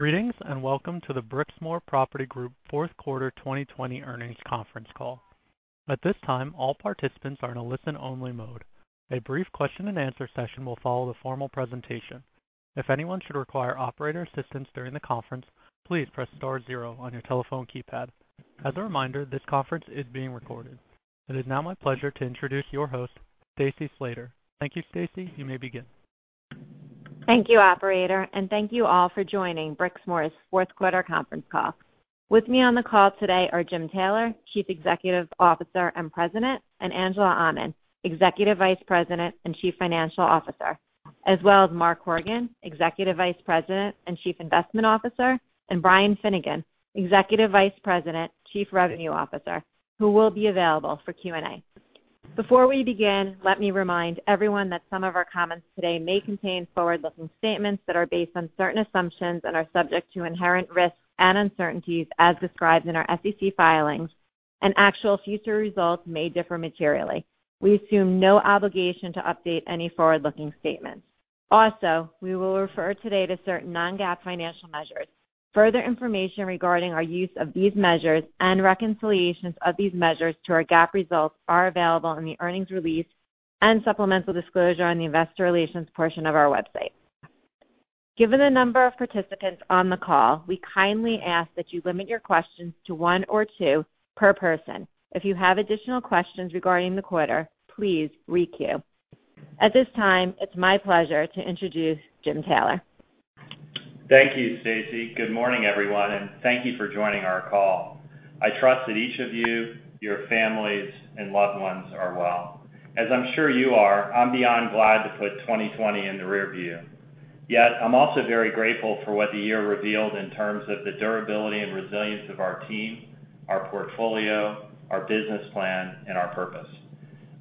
Greetings, and welcome to the Brixmor Property Group fourth quarter 2020 earnings conference call. At this time, all participants are in a listen-only mode. A brief question and answer session will follow the formal presentation. If anyone should require operator assistance during the conference, please press star zero on your telephone keypad. As a reminder, this conference is being recorded. It is now my pleasure to introduce your host, Stacy Slater. Thank you, Stacy. You may begin. Thank you, operator, and thank you all for joining Brixmor's fourth quarter conference call. With me on the call today are Jim Taylor, Chief Executive Officer and President, and Angela Aman, Executive Vice President and Chief Financial Officer, as well as Mark Horgan, Executive Vice President and Chief Investment Officer, and Brian Finnegan, Executive Vice President, Chief Revenue Officer, who will be available for Q&A. Before we begin, let me remind everyone that some of our comments today may contain forward-looking statements that are based on certain assumptions and are subject to inherent risks and uncertainties as described in our SEC filings, and actual future results may differ materially. We assume no obligation to update any forward-looking statements. Also, we will refer today to certain non-GAAP financial measures. Further information regarding our use of these measures and reconciliations of these measures to our GAAP results are available in the earnings release and supplemental disclosure on the investor relations portion of our website. Given the number of participants on the call, we kindly ask that you limit your questions to one or two per person. If you have additional questions regarding the quarter, please re-queue. At this time, it's my pleasure to introduce Jim Taylor. Thank you, Stacy. Good morning, everyone, and thank you for joining our call. I trust that each of you, your families, and loved ones are well. As I'm sure you are, I'm beyond glad to put 2020 in the rearview. I'm also very grateful for what the year revealed in terms of the durability and resilience of our team, our portfolio, our business plan, and our purpose.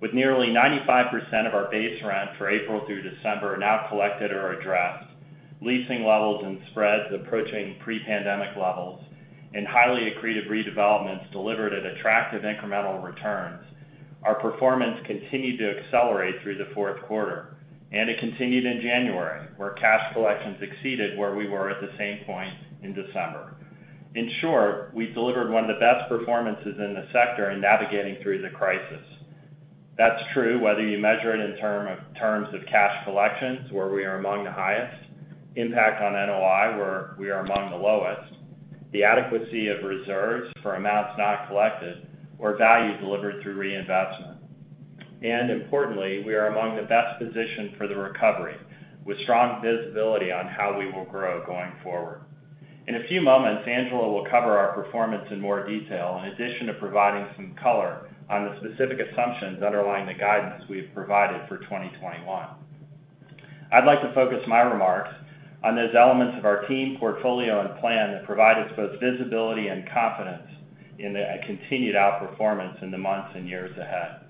With nearly 95% of our base rent for April through December now collected or addressed, leasing levels and spreads approaching pre-pandemic levels, and highly accretive redevelopments delivered at attractive incremental returns, our performance continued to accelerate through the fourth quarter. It continued in January, where cash collections exceeded where we were at the same point in December. In short, we delivered one of the best performances in the sector in navigating through the crisis. That's true whether you measure it in terms of cash collections, where we are among the highest, impact on NOI, where we are among the lowest, the adequacy of reserves for amounts not collected, or value delivered through reinvestment. Importantly, we are among the best positioned for the recovery, with strong visibility on how we will grow going forward. In a few moments, Angela will cover our performance in more detail, in addition to providing some color on the specific assumptions underlying the guidance we have provided for 2021. I'd like to focus my remarks on those elements of our team portfolio and plan that provide us both visibility and confidence in a continued outperformance in the months and years ahead.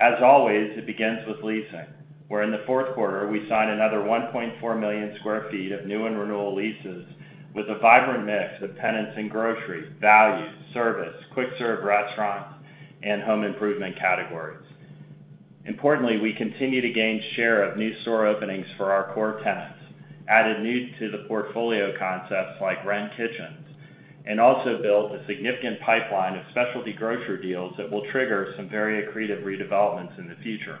As always, it begins with leasing, where in the fourth quarter, we signed another 1.4 million sq ft of new and renewal leases with a vibrant mix of tenants in grocery, value, service, quick-serve restaurants, and home improvement categories. Importantly, we continue to gain share of new store openings for our core tenants, added new-to-the-portfolio concepts like Wren Kitchens, and also built a significant pipeline of specialty grocery deals that will trigger some very accretive redevelopments in the future.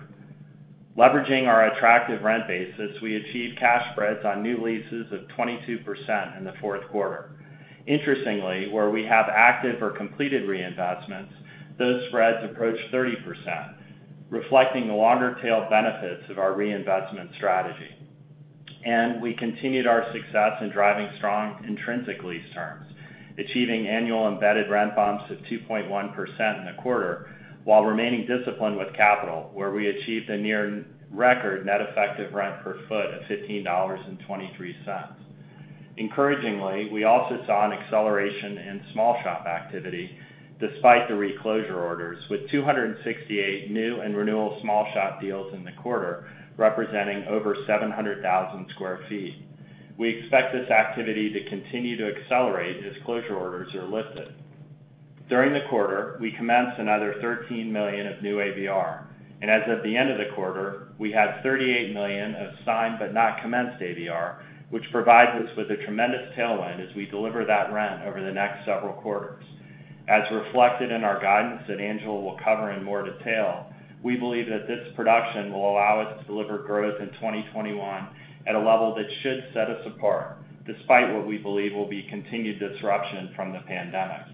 Leveraging our attractive rent basis, we achieved cash spreads on new leases of 22% in the fourth quarter. Interestingly, where we have active or completed reinvestment, those spreads approach 30%, reflecting the longer-tail benefits of our reinvestment strategy. We continued our success in driving strong intrinsic lease terms, achieving annual embedded rent bumps of 2.1% in the quarter while remaining disciplined with capital, where we achieved a near record net effective rent per foot at $15.23. Encouragingly, we also saw an acceleration in small shop activity despite the re-closure orders, with 268 new and renewal small shop deals in the quarter, representing over 700,000 sq ft. We expect this activity to continue to accelerate as closure orders are lifted. During the quarter, we commenced another $13 million of new ABR, and as of the end of the quarter, we had $38 million of signed but not commenced ABR, which provides us with a tremendous tailwind as we deliver that rent over the next several quarters. As reflected in our guidance that Angela will cover in more detail, we believe that this production will allow us to deliver growth in 2021 at a level that should set us apart, despite what we believe will be continued disruption from the pandemic.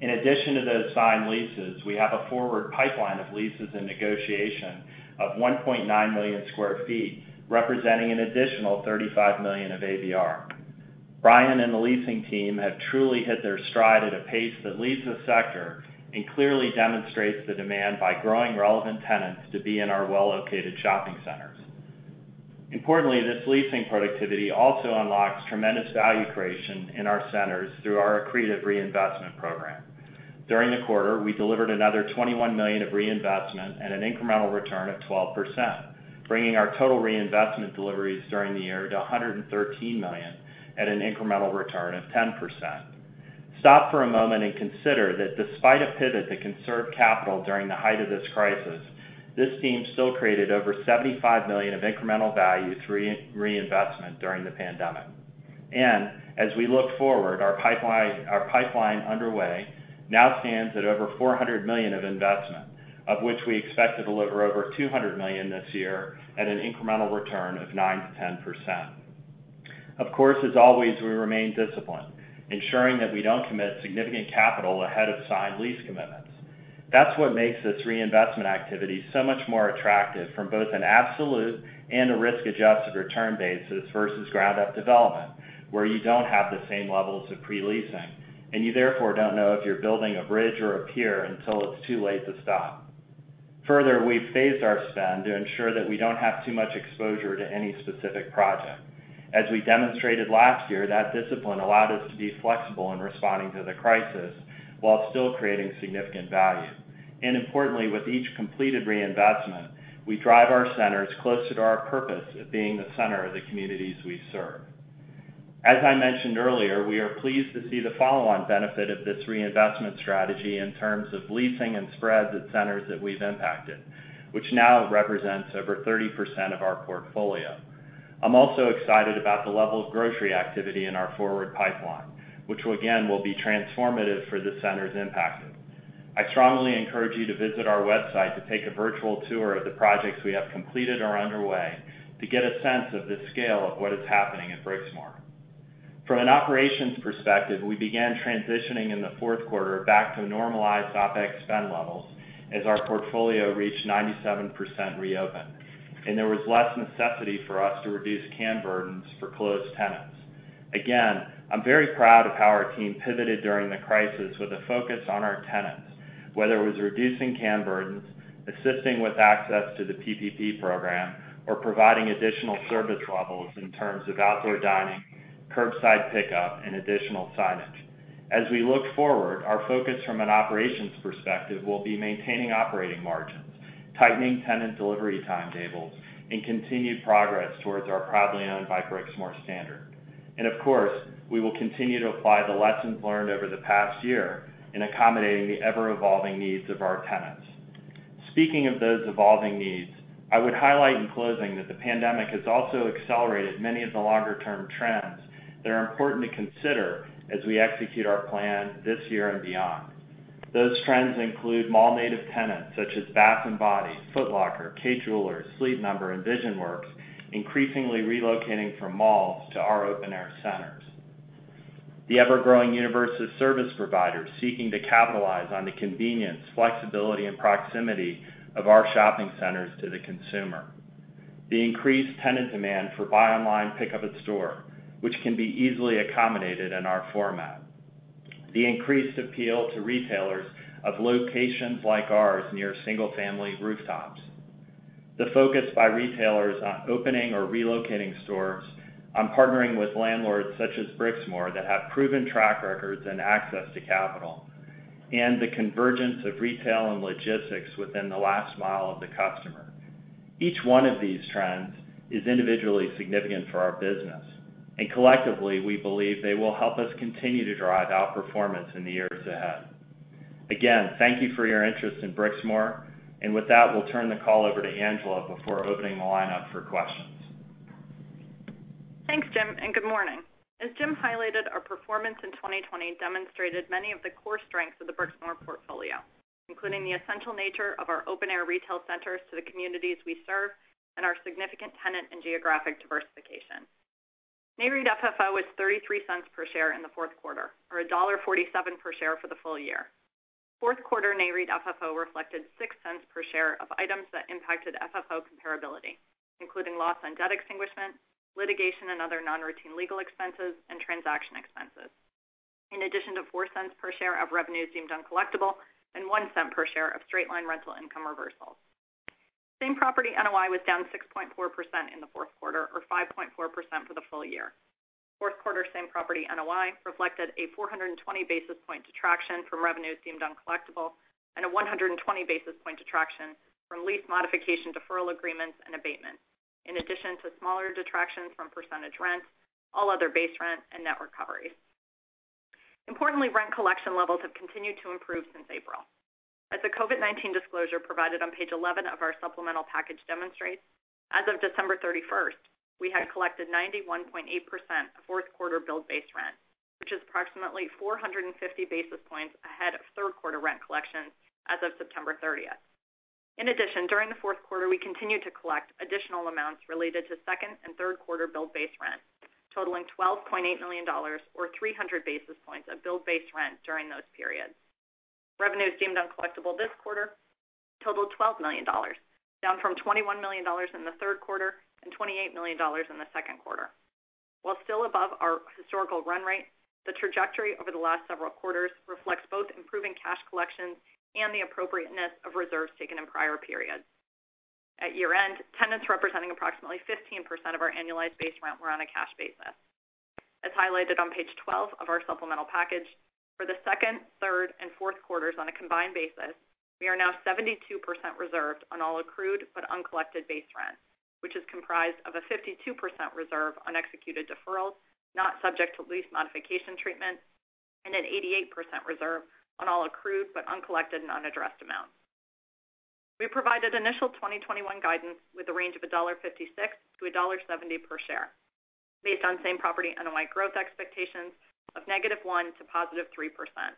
In addition to those signed leases, we have a forward pipeline of leases in negotiation of 1.9 million sq ft, representing an additional $35 million of ABR. Brian and the leasing team have truly hit their stride at a pace that leads the sector and clearly demonstrates the demand by growing relevant tenants to be in our well-located shopping centres. Importantly, this leasing productivity also unlocks tremendous value creation in our centres through our accretive reinvestment program. During the quarter, we delivered another $21 million of reinvestment at an incremental return of 12%, bringing our total reinvestment deliveries during the year to $113 million at an incremental return of 10%. Stop for a moment and consider that despite a pivot to conserve capital during the height of this crisis, this team still created over $75 million of incremental value through reinvestment during the pandemic. As we look forward, our pipeline underway now stands at over $400 million of investment, of which we expect to deliver over $200 million this year at an incremental return of 9%-10%. Of course, as always, we remain disciplined, ensuring that we don't commit significant capital ahead of signed lease commitments. That's what makes this reinvestment activity so much more attractive from both an absolute and a risk-adjusted return basis versus ground-up development, where you don't have the same levels of pre-leasing, and you therefore don't know if you're building a bridge or a pier until it's too late to stop. Further, we've phased our spend to ensure that we don't have too much exposure to any specific project. As we demonstrated last year, that discipline allowed us to be flexible in responding to the crisis while still creating significant value. Importantly, with each completed reinvestment, we drive our centres closer to our purpose of being the centre of the communities we serve. As I mentioned earlier, we are pleased to see the follow-on benefit of this reinvestment strategy in terms of leasing and spreads at centres that we've impacted, which now represents over 30% of our portfolio. I'm also excited about the level of grocery activity in our forward pipeline, which again, will be transformative for the centres impacted. I strongly encourage you to visit our website to take a virtual tour of the projects we have completed or underway to get a sense of the scale of what is happening at Brixmor. From an operations perspective, we began transitioning in the fourth quarter back to normalized OpEx spend levels as our portfolio reached 97% reopen, and there was less necessity for us to reduce CAM burdens for closed tenants. Again, I'm very proud of how our team pivoted during the crisis with a focus on our tenants, whether it was reducing CAM burdens, assisting with access to the PPP program, or providing additional service levels in terms of outdoor dining, curbside pickup, and additional signage. As we look forward, our focus from an operations perspective will be maintaining operating margins, tightening tenant delivery timetables, and continued progress towards our Proudly Owned by Brixmor standard. Of course, we will continue to apply the lessons learned over the past year in accommodating the ever-evolving needs of our tenants. Speaking of those evolving needs, I would highlight in closing that the pandemic has also accelerated many of the longer-term trends that are important to consider as we execute our plan this year and beyond. Those trends include mall-native tenants such as Bath & Body, Foot Locker, Kay Jewelers, Sleep Number, and Visionworks, increasingly relocating from malls to our open-air centres. The ever-growing universe of service providers seeking to capitalize on the convenience, flexibility, and proximity of our shopping centres to the consumer. The increased tenant demand for buy online, pickup in store, which can be easily accommodated in our format. The increased appeal to retailers of locations like ours near single-family rooftops. The focus by retailers on opening or relocating stores on partnering with landlords such as Brixmor that have proven track records and access to capital. The convergence of retail and logistics within the last mile of the customer. Each one of these trends is individually significant for our business, and collectively, we believe they will help us continue to drive out performance in the years ahead. Again, thank you for your interest in Brixmor, and with that, we'll turn the call over to Angela before opening the lineup for questions. Thanks, Jim, and good morning. As Jim highlighted, our performance in 2020 demonstrated many of the core strengths of the Brixmor portfolio, including the essential nature of our open-air retail centres to the communities we serve and our significant tenant and geographic diversification. Nareit FFO was $0.33 per share in the fourth quarter, or $1.47 per share for the full year. Fourth quarter Nareit FFO reflected $0.06 per share of items that impacted FFO comparability, including loss on debt extinguishment, litigation and other non-routine legal expenses, and transaction expenses. In addition to $0.04 per share of revenues deemed uncollectible and $0.01 per share of straight-line rental income reversals. Same property NOI was down 6.4% in the fourth quarter, or 5.4% for the full year. Fourth quarter same property NOI reflected a 420 basis point detraction from revenues deemed uncollectible and a 120 basis point detraction from lease modification deferral agreements and abatements. In addition to smaller detractions from percentage rents, all other base rents, and net recoveries. Importantly, rent collection levels have continued to improve since April. As the COVID-19 disclosure provided on page 11 of our supplemental package demonstrates, as of December 31st, we had collected 91.8% of fourth-quarter billed base rent, which is approximately 450 basis points ahead of third-quarter rent collections as of September 30th. In addition, during the fourth quarter, we continued to collect additional amounts related to second and third quarter billed base rent, totalling $12.8 million or 300 basis points of billed base rent during those periods. Revenues deemed uncollectible this quarter totalled $12 million, down from $21 million in the third quarter and $28 million in the second quarter. While still above our historical run rate, the trajectory over the last several quarters reflects both improving cash collections and the appropriateness of reserves taken in prior periods. At year-end, tenants representing approximately 15% of our annualized base rent were on a cash basis. As highlighted on page 12 of our supplemental package, for the second, third and fourth quarters on a combined basis, we are now 72% reserved on all accrued but uncollected base rent, which is comprised of a 52% reserve on executed deferrals, not subject to lease modification treatment, and an 88% reserve on all accrued but uncollected and unaddressed amounts. We provided initial 2021 guidance with a range of $1.56-$1.70 per share based on same property NOI growth expectations of -1% to +3%.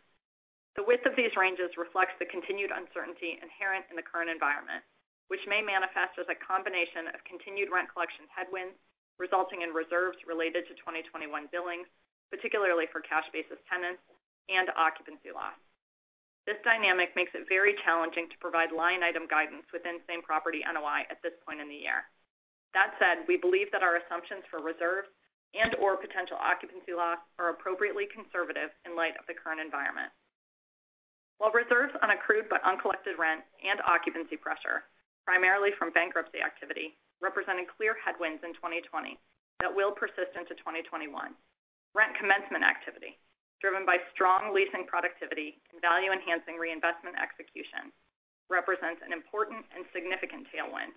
The width of these ranges reflects the continued uncertainty inherent in the current environment, which may manifest as a combination of continued rent collection headwinds resulting in reserves related to 2021 billings, particularly for cash basis tenants and occupancy loss. This dynamic makes it very challenging to provide line item guidance within same property NOI at this point in the year. That said, we believe that our assumptions for reserves and/or potential occupancy loss are appropriately conservative in light of the current environment. While reserves on accrued but uncollected rent and occupancy pressure, primarily from bankruptcy activity, represented clear headwinds in 2020 that will persist into 2021. Rent commencement activity, driven by strong leasing productivity and value enhancing reinvestment execution, represents an important and significant tailwind.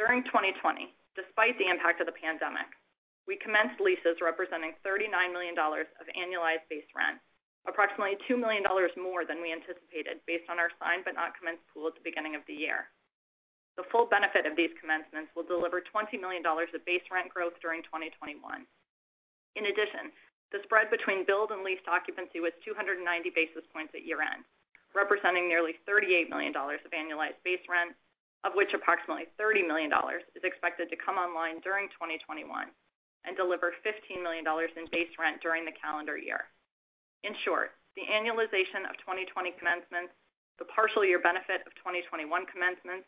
During 2020, despite the impact of the pandemic, we commenced leases representing $39 million of annualized base rent, approximately $2 million more than we anticipated based on our signed but not commenced pool at the beginning of the year. The full benefit of these commencements will deliver $20 million of base rent growth during 2021. In addition, the spread between build and leased occupancy was 290 basis points at year-end, representing nearly $38 million of annualized base rent, of which approximately $30 million is expected to come online during 2021 and deliver $15 million in base rent during the calendar year. In short, the annualization of 2020 commencements, the partial year benefit of 2021 commencements,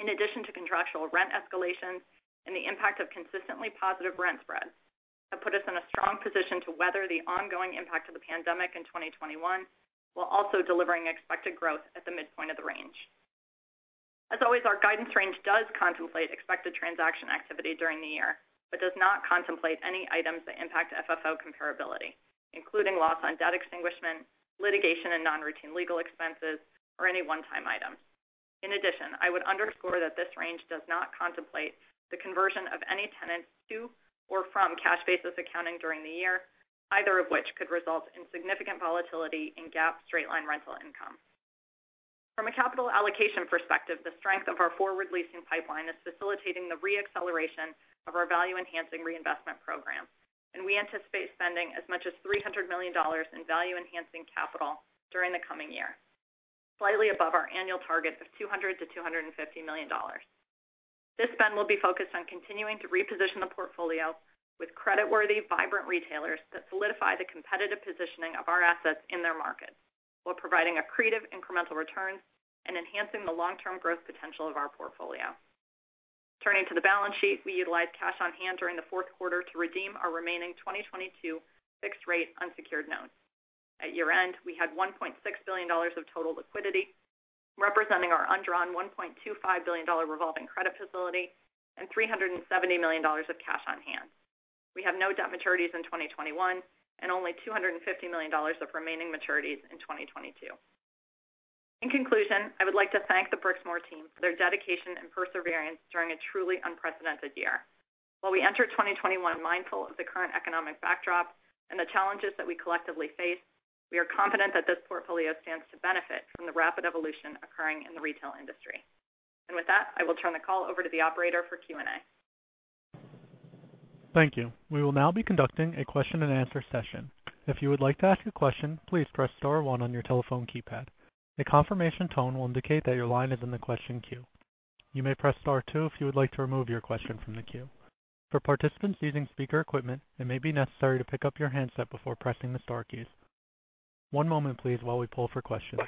in addition to contractual rent escalations and the impact of consistently positive rent spreads, have put us in a strong position to weather the ongoing impact of the pandemic in 2021 while also delivering expected growth at the midpoint of the range. As always, our guidance range does contemplate expected transaction activity during the year, but does not contemplate any items that impact FFO comparability, including loss on debt extinguishment, litigation and non-routine legal expenses, or any one-time items. In addition, I would underscore that this range does not contemplate the conversion of any tenants to or from cash basis accounting during the year, either of which could result in significant volatility in GAAP straight-line rental income. From a capital allocation perspective, the strength of our forward leasing pipeline is facilitating the re-acceleration of our value enhancing reinvestment program, and we anticipate spending as much as $300 million in value enhancing capital during the coming year, slightly above our annual target of $200 million-$250 million. This spend will be focused on continuing to reposition the portfolio with credit worthy, vibrant retailers that solidify the competitive positioning of our assets in their markets while providing accretive incremental returns and enhancing the long-term growth potential of our portfolio. Turning to the balance sheet, we utilized cash on hand during the fourth quarter to redeem our remaining 2022 fixed rate unsecured notes. At year-end, we had $1.6 billion of total liquidity, representing our undrawn $1.25 billion revolving credit facility and $370 million of cash on hand. We have no debt maturities in 2021 and only $250 million of remaining maturities in 2022. In conclusion, I would like to thank the Brixmor team for their dedication and perseverance during a truly unprecedented year. While we enter 2021 mindful of the current economic backdrop and the challenges that we collectively face, we are confident that this portfolio stands to benefit from the rapid evolution occurring in the retail industry. With that, I will turn the call over to the operator for Q&A. Thank you. We will now be conducting a question and answer session. If you would like to ask a question, please press star one on your telephone keypad. A confirmation tone will indicate that your line is in the question queue. You may press star two if you would like to remove your question from the queue. For participants using speaker equipment, it may be necessary to pick up your handset before pressing the star keys. One moment please while we pull for questions.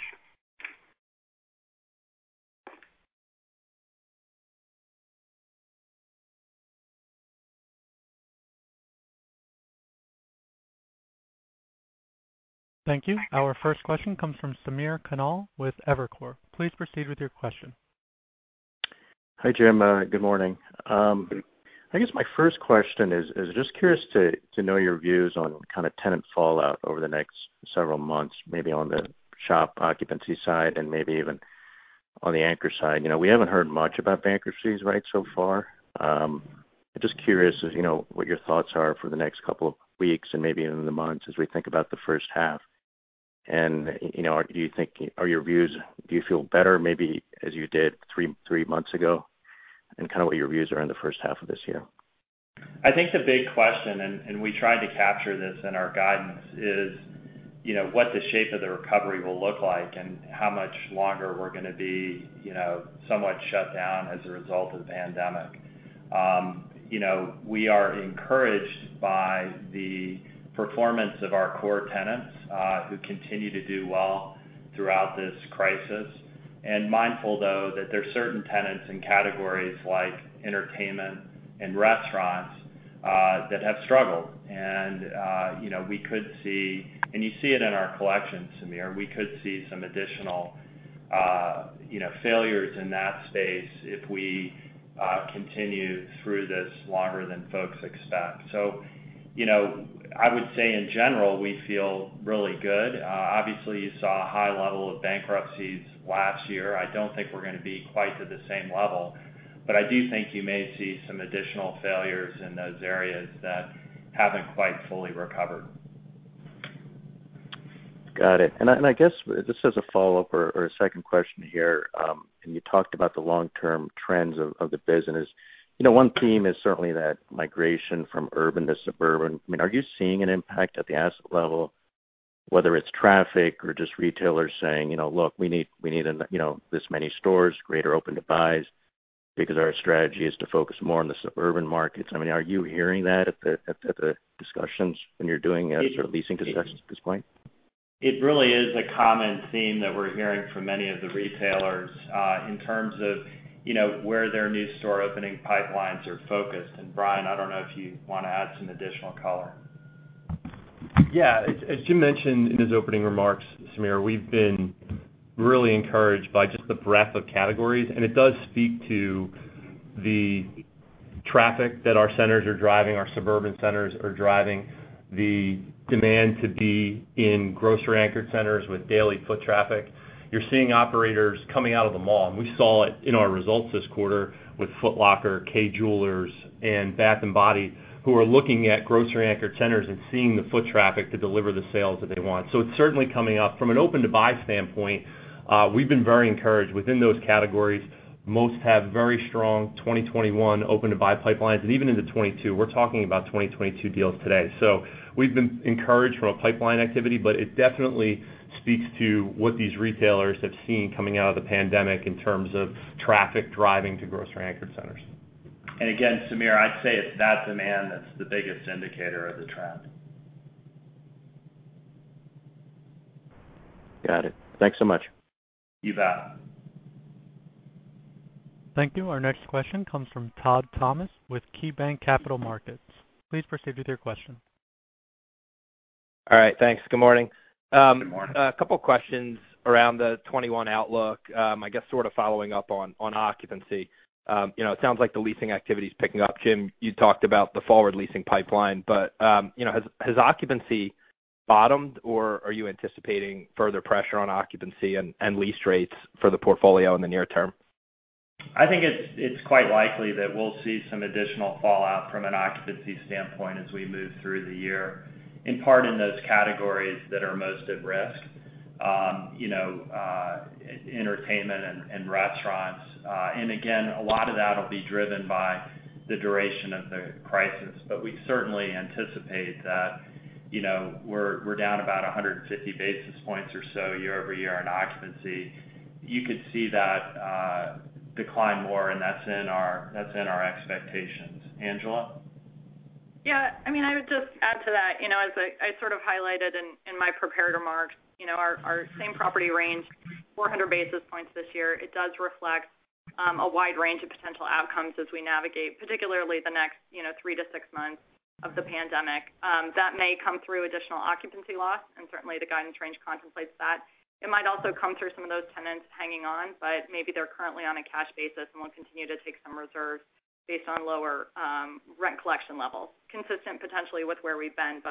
Thank you. Our first question comes from Samir Khanal with Evercore. Please proceed with your question. Hi, Jim. Good morning. I guess my first question is just curious to know your views on kind of tenant fallout over the next several months, maybe on the shop occupancy side and maybe even on the anchor side. We haven't heard much about bankruptcies so far. I'm just curious what your thoughts are for the next couple of weeks and maybe into the months as we think about the first half. Do you feel better maybe as you did three months ago and kind of what your views are in the first half of this year? I think the big question, and we tried to capture this in our guidance, is what the shape of the recovery will look like and how much longer we're going to be somewhat shut down as a result of the pandemic. We are encouraged by the performance of our core tenants who continue to do well throughout this crisis, and mindful though that there are certain tenants and categories like entertainment and restaurants that have struggled. You see it in our collections, Samir, we could see some additional failures in that space if we continue through this longer than folks expect. I would say in general, we feel really good. Obviously you saw a high level of bankruptcies last year. I don't think we're going to be quite to the same level, but I do think you may see some additional failures in those areas that haven't quite fully recovered. Got it. I guess just as a follow-up or a second question here, and you talked about the long-term trends of the business. One theme is certainly that migration from urban to suburban. Are you seeing an impact at the asset level, whether it's traffic or just retailers saying, "Look, we need this many stores, greater open to buys, because our strategy is to focus more on the suburban markets." Are you hearing that at the discussions when you're doing sort of leasing discussions at this point? It really is a common theme that we're hearing from many of the retailers, in terms of where their new store opening pipelines are focused. Brian, I don't know if you want to add some additional color? Yeah. As Jim mentioned in his opening remarks, Samir, we've been really encouraged by just the breadth of categories. It does speak to the traffic that our centres are driving, our suburban centres are driving, the demand to be in grocery anchored centres with daily foot traffic. You're seeing operators coming out of the mall. We saw it in our results this quarter with Foot Locker, Kay Jewelers, and Bath & Body, who are looking at grocery anchored centres and seeing the foot traffic to deliver the sales that they want. It's certainly coming up. From an open to buy standpoint, we've been very encouraged within those categories. Most have very strong 2021 open to buy pipelines. Even into 2022, we're talking about 2022 deals today. We've been encouraged from a pipeline activity, but it definitely speaks to what these retailers have seen coming out of the pandemic in terms of traffic driving to grocery anchored centres. Again, Samir, I'd say it's that demand that's the biggest indicator of the trend. Got it. Thanks so much. You bet. Thank you. Our next question comes from Todd Thomas with KeyBanc Capital Markets. Please proceed with your question. All right. Thanks. Good morning. Good morning. A couple questions around the 2021 outlook, I guess sort of following up on occupancy. It sounds like the leasing activity's picking up. Jim, you talked about the forward leasing pipeline, has occupancy bottomed or are you anticipating further pressure on occupancy and lease rates for the portfolio in the near term? I think it's quite likely that we'll see some additional fallout from an occupancy standpoint as we move through the year, in part in those categories that are most at risk. Entertainment and restaurants. Again, a lot of that will be driven by the duration of the crisis. We certainly anticipate that we're down about 150 basis points or so year-over-year on occupancy. You could see that decline more, and that's in our expectations. Angela? Yeah. I would just add to that. As I sort of highlighted in my prepared remarks, our same property range, 400 basis points this year. It does reflect a wide range of potential outcomes as we navigate, particularly the next 3-6 months of the pandemic. That may come through additional occupancy loss, certainly the guidance range contemplates that. It might also come through some of those tenants hanging on, maybe they're currently on a cash basis and we'll continue to take some reserves based on lower rent collection levels. Consistent potentially with where we've been,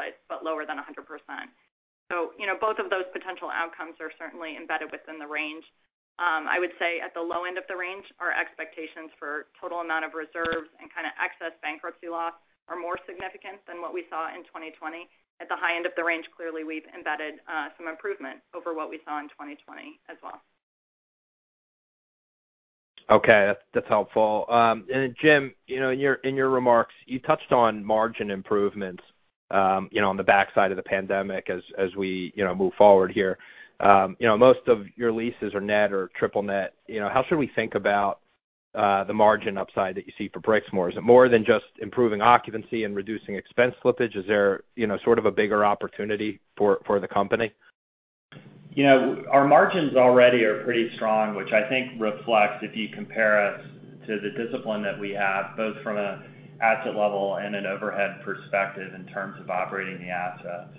lower than 100%. Both of those potential outcomes are certainly embedded within the range. I would say at the low end of the range, our expectations for total amount of reserves and kind of excess bankruptcy loss are more significant than what we saw in 2020. At the high end of the range, clearly we've embedded some improvement over what we saw in 2020 as well. Okay. That's helpful. Then Jim, in your remarks, you touched on margin improvements on the backside of the pandemic as we move forward here. Most of your leases are net or triple net. How should we think about the margin upside that you see for Brixmor? Is it more than just improving occupancy and reducing expense slippage? Is there sort of a bigger opportunity for the company? Our margins already are pretty strong, which I think reflects if you compare us to the discipline that we have, both from an asset level and an overhead perspective in terms of operating the assets.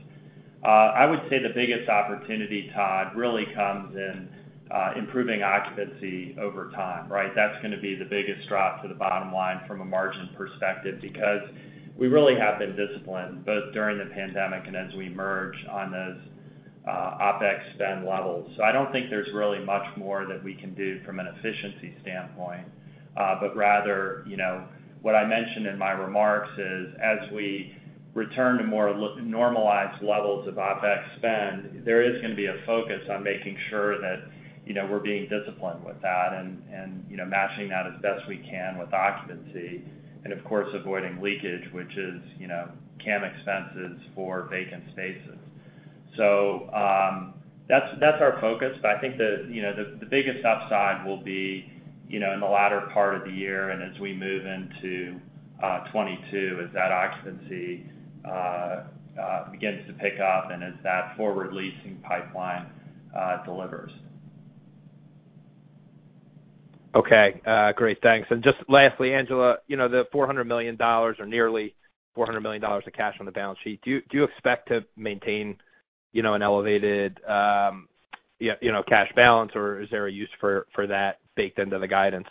I would say the biggest opportunity, Todd, really comes in improving occupancy over time, right? That's going to be the biggest drop to the bottom line from a margin perspective, because we really have been disciplined both during the pandemic and as we emerge on those OpEx spend levels. I don't think there's really much more that we can do from an efficiency standpoint. What I mentioned in my remarks is as we return to more normalized levels of OpEx spend, there is going to be a focus on making sure that we're being disciplined with that and matching that as best we can with occupancy, and of course, avoiding leakage, which is CAM expenses for vacant spaces. That's our focus. I think the biggest upside will be in the latter part of the year and as we move into 2022, as that occupancy begins to pick up and as that forward leasing pipeline delivers. Okay. Great. Thanks. Just lastly, Angela, the $400 million or nearly $400 million of cash on the balance sheet, do you expect to maintain an elevated cash balance, or is there a use for that baked into the guidance?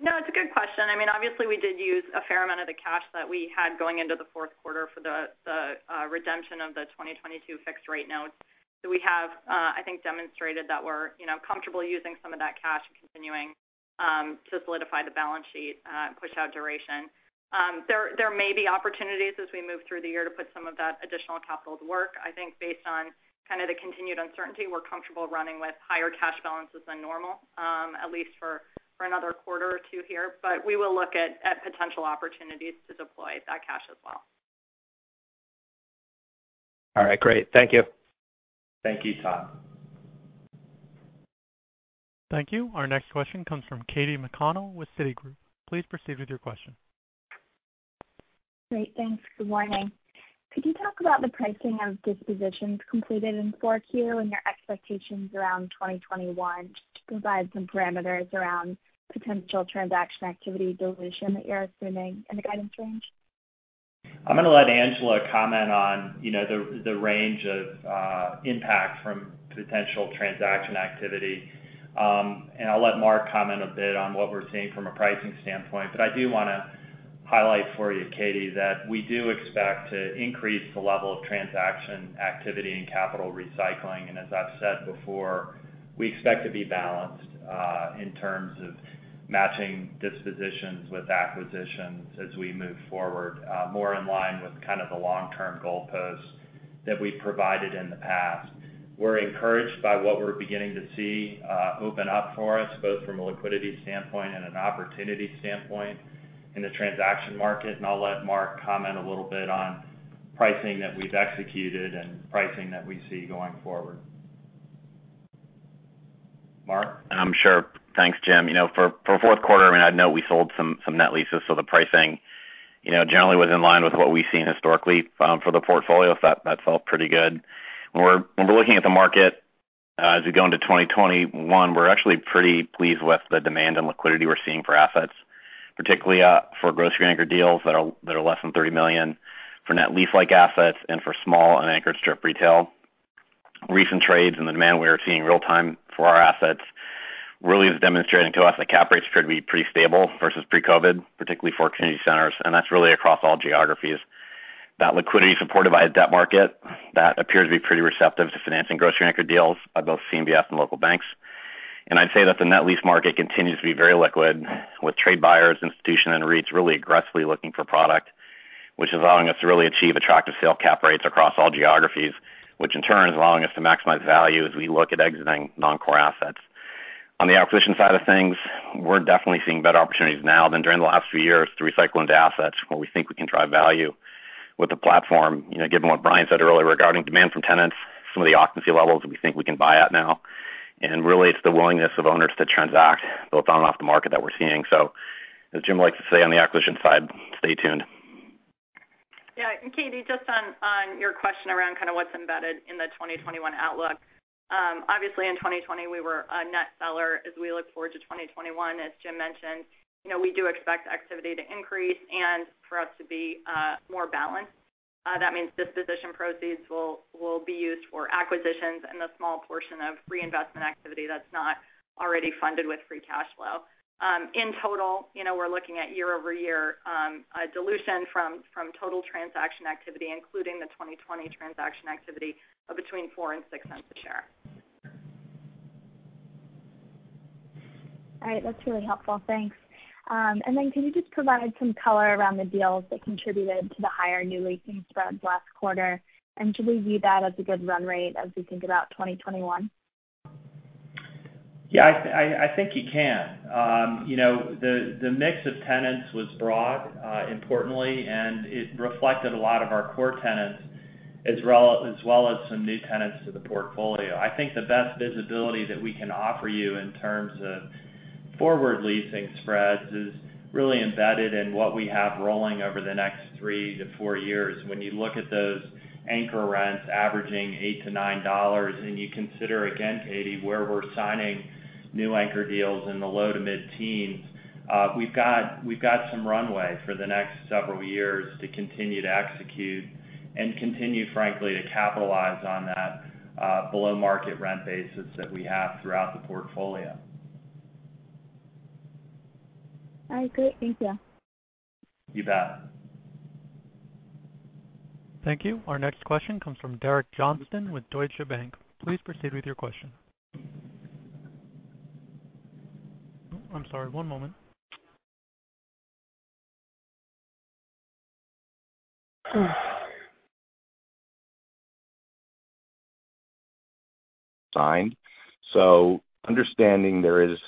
No, it's a good question. Obviously, we did use a fair amount of the cash that we had going into the fourth quarter for the redemption of the 2022 fixed rate notes. We have, I think, demonstrated that we're comfortable using some of that cash and continuing to solidify the balance sheet and push out duration. There may be opportunities as we move through the year to put some of that additional capital to work. I think based on kind of the continued uncertainty, we're comfortable running with higher cash balances than normal, at least for another quarter or two here. We will look at potential opportunities to deploy that cash as well. All right, great. Thank you. Thank you, Todd. Thank you. Our next question comes from Katy McConnell with Citigroup. Please proceed with your question. Great, thanks. Good morning. Could you talk about the pricing of dispositions completed in 4Q and your expectations around 2021, just to provide some parameters around potential transaction activity dilution that you're assuming in the guidance range? I'm going to let Angela comment on the range of impact from potential transaction activity. I'll let Mark comment a bit on what we're seeing from a pricing standpoint. I do want to highlight for you, Katy, that we do expect to increase the level of transaction activity and capital recycling. As I've said before, we expect to be balanced in terms of matching dispositions with acquisitions as we move forward, more in line with kind of the long-term goalposts that we've provided in the past. We're encouraged by what we're beginning to see open up for us, both from a liquidity standpoint and an opportunity standpoint in the transaction market. I'll let Mark comment a little bit on pricing that we've executed and pricing that we see going forward. Mark? Sure. Thanks, Jim. For fourth quarter, I'd note we sold some net leases. The pricing generally was in line with what we've seen historically for the portfolio. That felt pretty good. When we're looking at the market as we go into 2021, we're actually pretty pleased with the demand and liquidity we're seeing for assets, particularly for grocery-anchor deals that are less than $30 million, for net lease-like assets, and for small and anchored strip retail. Recent trades and the demand we are seeing real-time for our assets really is demonstrating to us that cap rates appear to be pretty stable versus pre-COVID, particularly for community centres, and that's really across all geographies. That liquidity is supported by a debt market that appears to be pretty receptive to financing grocery-anchor deals by both CMBS and local banks. I'd say that the net lease market continues to be very liquid, with trade buyers, institution, and REITs really aggressively looking for product, which is allowing us to really achieve attractive sale cap rates across all geographies, which in turn is allowing us to maximize value as we look at exiting non-core assets. On the acquisition side of things, we're definitely seeing better opportunities now than during the last few years to recycle into assets where we think we can drive value with the platform. Given what Brian said earlier regarding demand from tenants, some of the occupancy levels we think we can buy at now, and really it's the willingness of owners to transact both on and off the market that we're seeing. As Jim likes to say on the acquisition side, stay tuned. Katy, just on your question around kind of what's embedded in the 2021 outlook. Obviously, in 2020, we were a net seller. As we look forward to 2021, as James mentioned, we do expect activity to increase and for us to be more balanced. That means disposition proceeds will be used for acquisitions and a small portion of reinvestment activity that's not already funded with free cash flow. In total, we're looking at year-over-year dilution from total transaction activity, including the 2020 transaction activity, of between $0.04-$0.06 a share. All right. That's really helpful. Thanks. Then can you just provide some color around the deals that contributed to the higher new leasing spreads last quarter? Should we view that as a good run rate as we think about 2021? Yeah, I think you can. The mix of tenants was broad, importantly, and it reflected a lot of our core tenants as well as some new tenants to the portfolio. I think the best visibility that we can offer you in terms of forward leasing spreads is really embedded in what we have rolling over the next 3-4 years. When you look at those anchor rents averaging $8-$9 and you consider again, Katy, where we're signing new anchor deals in the low to mid-teens, we've got some runway for the next several years to continue to execute and continue, frankly, to capitalize on that below-market rent basis that we have throughout the portfolio. All right, great. Thank you. You bet. Thank you. Our next question comes from Derek Johnston with Deutsche Bank. Please proceed with your question. I'm sorry, one moment. Understanding there is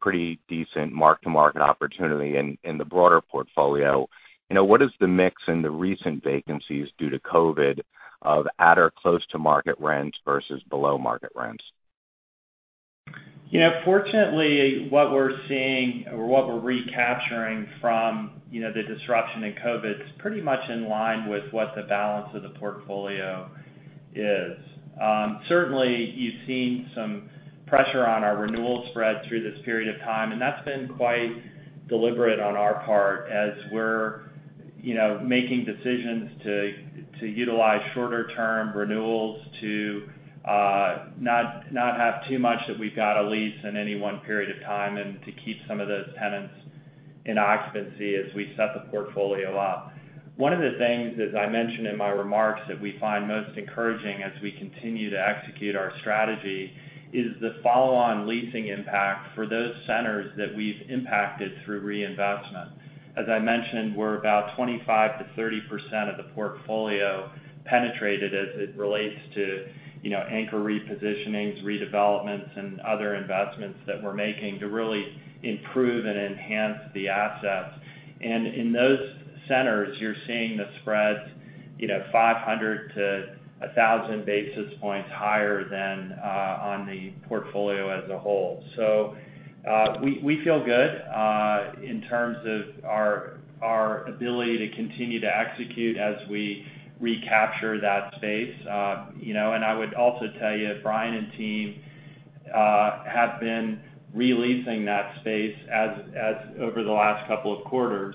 pretty decent mark-to-market opportunity in the broader portfolio, what is the mix in the recent vacancies due to COVID of at or close to market rents versus below-market rents? Fortunately, what we're seeing, or what we're recapturing from the disruption in COVID is pretty much in line with what the balance of the portfolio is. Certainly, you've seen some pressure on our renewal spread through this period of time, that's been quite deliberate on our part as we're making decisions to utilize shorter term renewals to not have too much that we've got to lease in any one period of time, and to keep some of those tenants in occupancy as we set the portfolio up. One of the things, as I mentioned in my remarks, that we find most encouraging as we continue to execute our strategy is the follow-on leasing impact for those centres that we've impacted through reinvestment. As I mentioned, we're about 25%-30% of the portfolio penetrated as it relates to anchor repositionings, redevelopments, and other investments that we're making to really improve and enhance the assets. In those centres, you're seeing the spreads, 500-1,000 basis points higher than on the portfolio as a whole. We feel good in terms of our ability to continue to execute as we recapture that space. I would also tell you that Brian and team have been re-leasing that space over the last couple of quarters.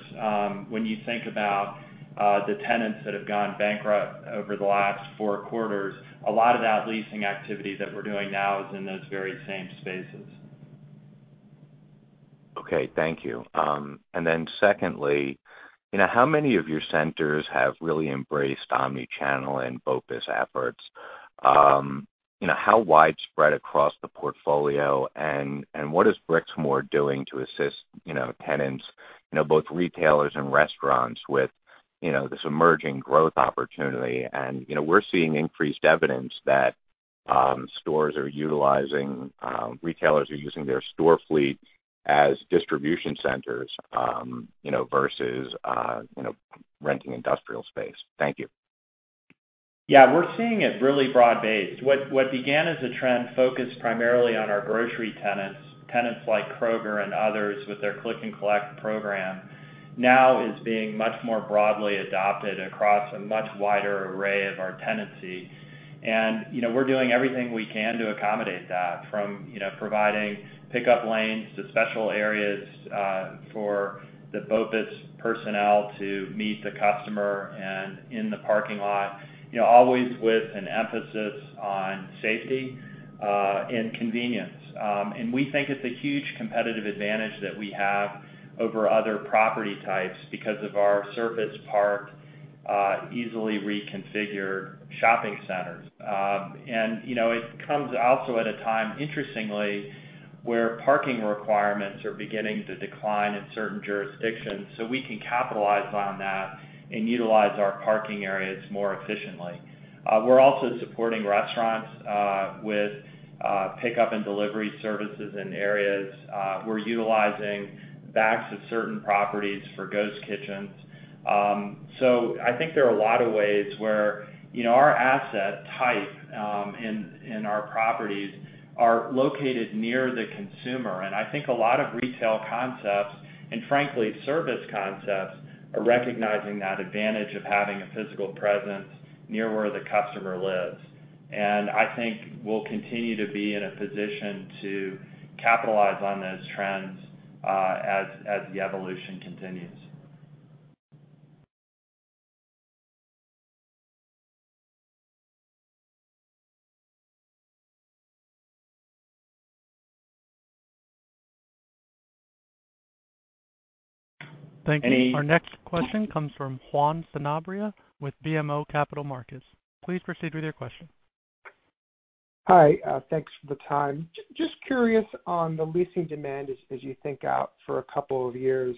When you think about the tenants that have gone bankrupt over the last four quarters, a lot of that leasing activity that we're doing now is in those very same spaces. Okay. Thank you. Secondly, how many of your centres have really embraced omnichannel and BOPUS efforts? How widespread across the portfolio? What is Brixmor doing to assist tenants, both retailers and restaurants, with this emerging growth opportunity? We're seeing increased evidence that retailers are using their store fleet as distribution centres versus renting industrial space. Thank you. Yeah. We're seeing it really broad-based. What began as a trend focused primarily on our grocery tenants like Kroger and others with their Click and Collect program, now is being much more broadly adopted across a much wider array of our tenancy. We're doing everything we can to accommodate that, from providing pickup lanes to special areas for the BOPUS personnel to meet the customer and in the parking lot. Always with an emphasis on safety and convenience. We think it's a huge competitive advantage that we have over other property types because of our surface park, easily reconfigured shopping centres. It comes also at a time, interestingly, where parking requirements are beginning to decline in certain jurisdictions, so we can capitalize on that and utilize our parking areas more efficiently. We're also supporting restaurants with pickup and delivery services in areas. We're utilizing backs of certain properties for ghost kitchens. I think there are a lot of ways where our asset type and our properties are located near the consumer. I think a lot of retail concepts, and frankly, service concepts, are recognizing that advantage of having a physical presence near where the customer lives. I think we'll continue to be in a position to capitalize on those trends as the evolution continues. Thank you. Our next question comes from Juan Sanabria with BMO Capital Markets. Please proceed with your question. Hi. Thanks for the time. Just curious on the leasing demand as you think out for a couple of years,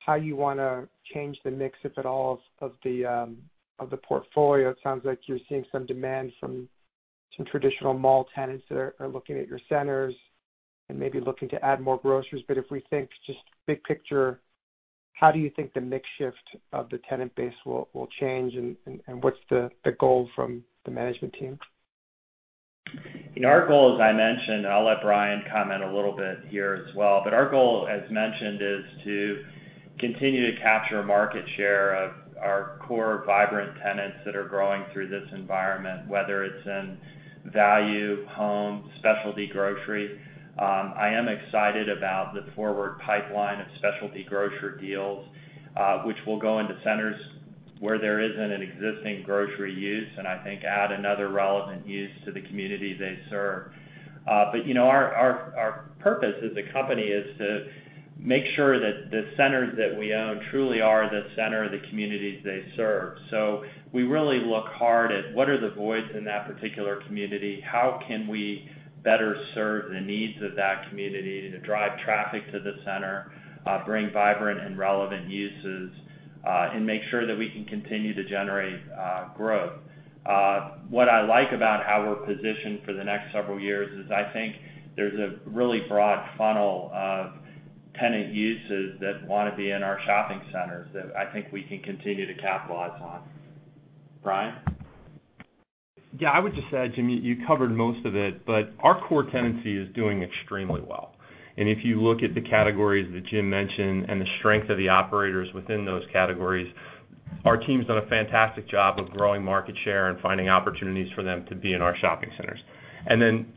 how you want to change the mix, if at all, of the portfolio. It sounds like you're seeing some demand from some traditional mall tenants that are looking at your centres and maybe looking to add more groceries. If we think just big picture, how do you think the mix shift of the tenant base will change and what's the goal from the management team? Our goal, as I mentioned, I'll let Brian comment a little bit here as well. Our goal as mentioned, is to continue to capture market share of our core vibrant tenants that are growing through this environment, whether it's in value, home, specialty grocery. I am excited about the forward pipeline of specialty grocery deals, which will go into centres where there isn't an existing grocery use, and I think add another relevant use to the communities they serve. Our purpose as a company is to make sure that the centres that we own truly are the center of the communities they serve. We really look hard at what are the voids in that particular community, how can we better serve the needs of that community to drive traffic to the center, bring vibrant and relevant uses, and make sure that we can continue to generate growth. What I like about how we're positioned for the next several years is I think there's a really broad funnel of tenant uses that want to be in our shopping centres that I think we can continue to capitalize on. Brian? I would just add, Jimmy, you covered most of it, but our core tenancy is doing extremely well. If you look at the categories that Jim mentioned and the strength of the operators within those categories, our team's done a fantastic job of growing market share and finding opportunities for them to be in our shopping centres.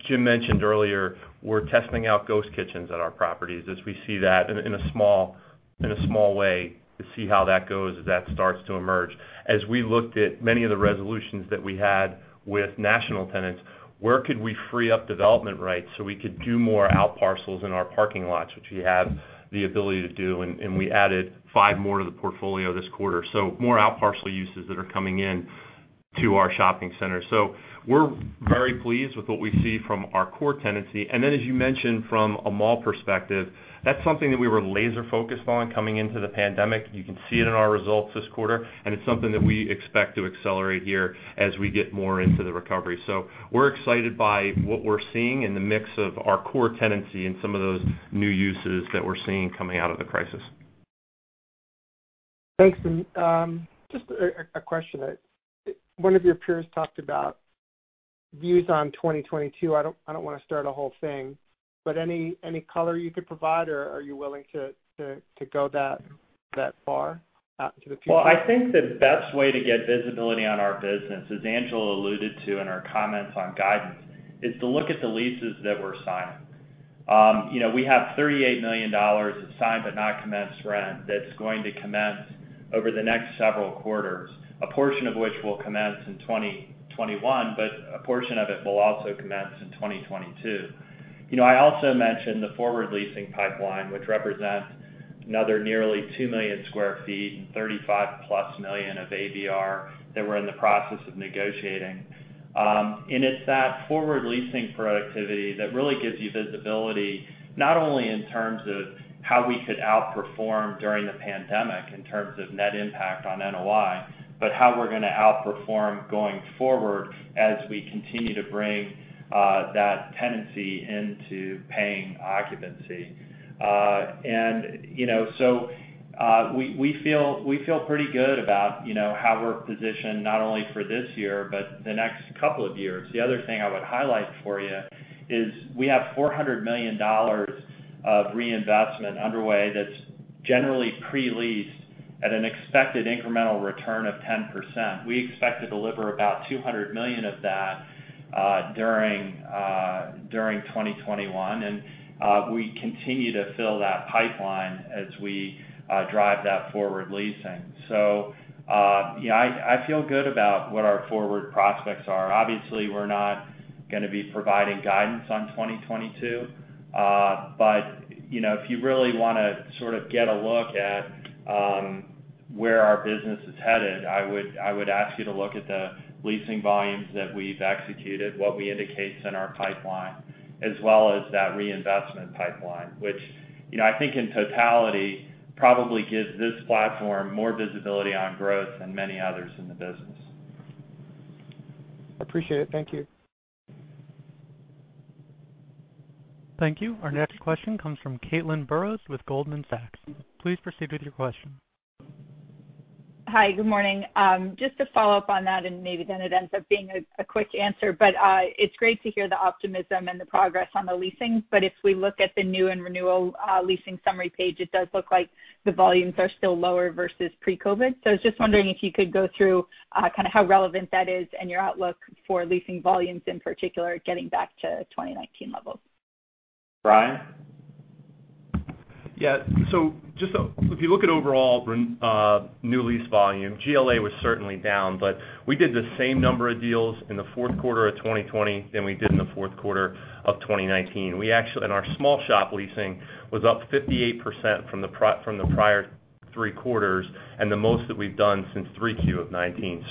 Jim mentioned earlier, we're testing out ghost kitchens at our properties as we see that in a small way to see how that goes as that starts to emerge. As we looked at many of the resolutions that we had with national tenants, where could we free up development rights so we could do more outparcels in our parking lots, which we have the ability to do, and we added five more to the portfolio this quarter. More outparcel uses that are coming in to our shopping center. We're very pleased with what we see from our core tenancy. As you mentioned from a mall perspective, that's something that we were laser-focused on coming into the pandemic. You can see it in our results this quarter, and it's something that we expect to accelerate here as we get more into the recovery. We're excited by what we're seeing in the mix of our core tenancy and some of those new uses that we're seeing coming out of the crisis. Thanks. Just a question. One of your peers talked about views on 2022. I don't want to start a whole thing, but any color you could provide, or are you willing to go that far out into the future? Well, I think the best way to get visibility on our business, as Angela alluded to in her comments on guidance, is to look at the leases that we're signing. We have $38 million of signed but not commenced rent that's going to commence over the next several quarters, a portion of which will commence in 2021, but a portion of it will also commence in 2022. I also mentioned the forward leasing pipeline, which represents another nearly two million sq ft and $35+ million of ABR that we're in the process of negotiating. It's that forward leasing productivity that really gives you visibility, not only in terms of how we could outperform during the pandemic in terms of net impact on NOI, but how we're going to outperform going forward as we continue to bring that tenancy into paying occupancy. We feel pretty good about how we're positioned not only for this year but the next couple of years. The other thing I would highlight for you is we have $400 million of reinvestment underway that's generally pre-leased at an expected incremental return of 10%. We expect to deliver about $200 million of that during 2021, and we continue to fill that pipeline as we drive that forward leasing. I feel good about what our forward prospects are. Obviously, we're not going to be providing guidance on 2022. If you really want to sort of get a look at where our business is headed, I would ask you to look at the leasing volumes that we've executed, what we indicate is in our pipeline, as well as that reinvestment pipeline. Which, I think in totality, probably gives this platform more visibility on growth than many others in the business. Appreciate it. Thank you. Thank you. Our next question comes from Caitlin Burrows with Goldman Sachs. Please proceed with your question. Hi. Good morning. Just to follow up on that, maybe then it ends up being a quick answer, but it's great to hear the optimism and the progress on the leasing. If we look at the new and renewal leasing summary page, it does look like the volumes are still lower versus pre-COVID. I was just wondering if you could go through kind of how relevant that is and your outlook for leasing volumes, in particular, getting back to 2019 levels. Brian? If you look at overall new lease volume, GLA was certainly down, but we did the same number of deals in the fourth quarter of 2020 than we did in the fourth quarter of 2019. Our small shop leasing was up 58% from the prior three quarters and the most that we've done since 3Q of 2019.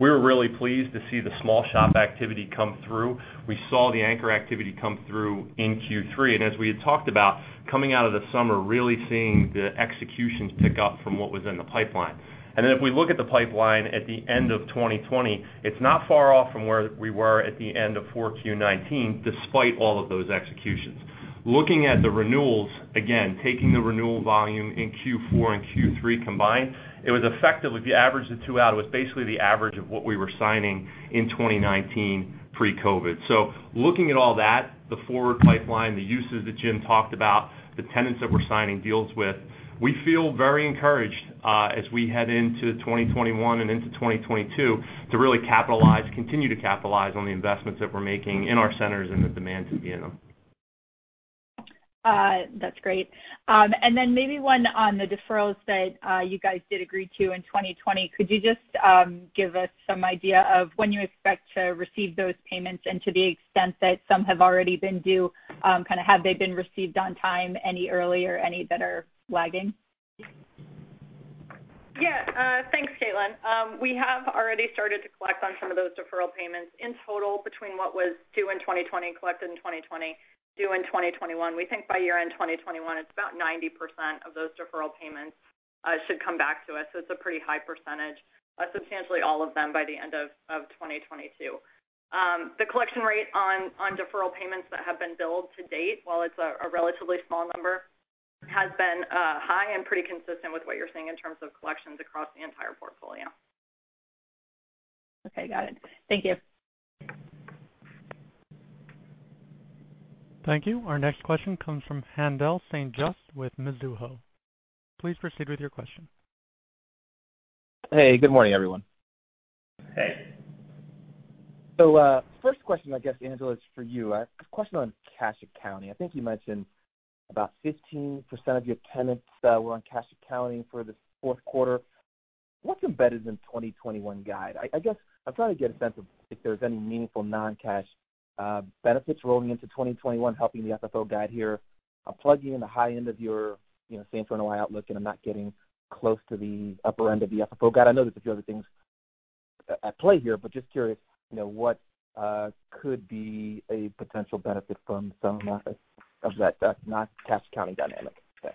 We were really pleased to see the small shop activity come through. We saw the anchor activity come through in Q3. As we had talked about, coming out of the summer, really seeing the executions pick up from what was in the pipeline. If we look at the pipeline at the end of 2020, it's not far off from where we were at the end of 4Q 2019, despite all of those executions. Looking at the renewals, again, taking the renewal volume in Q4 and Q3 combined, it was effectively, if you average the two out, it was basically the average of what we were signing in 2019 pre-COVID-19. Looking at all that, the forward pipeline, the uses that Jim talked about, the tenants that we're signing deals with, we feel very encouraged as we head into 2021 and into 2022 to really capitalize, continue to capitalize on the investments that we're making in our centres and the demand to be in them. That's great. Maybe one on the deferrals that you guys did agree to in 2020. Could you just give us some idea of when you expect to receive those payments, to the extent that some have already been due, kind of have they been received on time, any early or any that are lagging? Yeah. Thanks, Caitlin. We have already started to collect on some of those deferral payments. In total, between what was due in 2020 and collected in 2020, due in 2021, we think by year-end 2021, it's about 90% of those deferral payments should come back to us. It's a pretty high percentage, but substantially all of them by the end of 2022. The collection rate on deferral payments that have been billed to date, while it's a relatively small number has been high and pretty consistent with what you're seeing in terms of collections across the entire portfolio. Okay. Got it. Thank you. Thank you. Our next question comes from Haendel St. Juste with Mizuho. Please proceed with your question. Hey, good morning, everyone. Hey. First question, I guess, Angela, is for you. A question on cash accounting. I think you mentioned about 15% of your tenants were on cash accounting for this fourth quarter. What's embedded in 2021 guide? I guess I'm trying to get a sense of if there's any meaningful non-cash benefits rolling into 2021 helping the FFO guide here. I'll plug you in the high end of your same-store NOI outlook, and I'm not getting close to the upper end of the FFO guide. I know there's a few other things at play here, but just curious, what could be a potential benefit from some of that non-cash accounting dynamic. Yeah.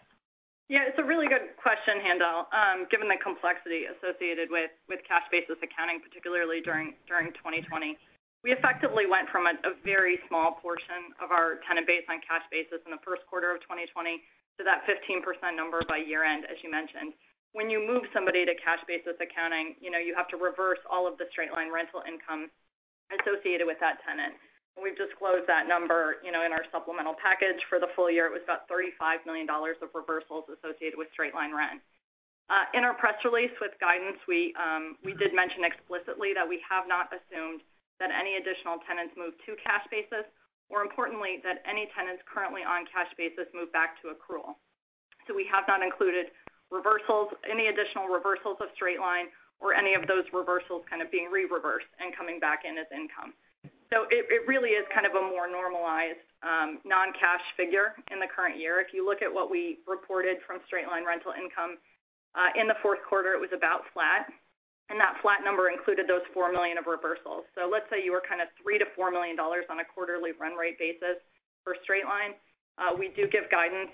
Yeah. It's a really good question, Haendel, given the complexity associated with cash basis accounting, particularly during 2020. We effectively went from a very small portion of our tenant base on cash basis in the first quarter of 2020 to that 15% number by year-end, as you mentioned. When you move somebody to cash basis accounting, you have to reverse all of the straight-line rental income associated with that tenant. We've disclosed that number in our supplemental package for the full year. It was about $35 million of reversals associated with straight-line rent. In our press release with guidance, we did mention explicitly that we have not assumed that any additional tenants moved to cash basis, or importantly, that any tenants currently on cash basis moved back to accrual. We have not included any additional reversals of straight line or any of those reversals kind of being re-reversed and coming back in as income. It really is kind of a more normalized, non-cash figure in the current year. If you look at what we reported from straight-line rental income, in the fourth quarter, it was about flat, and that flat number included those $4 million of reversals. Let's say you were kind of $3 million-$4 million on a quarterly run rate basis for straight line. We do give guidance.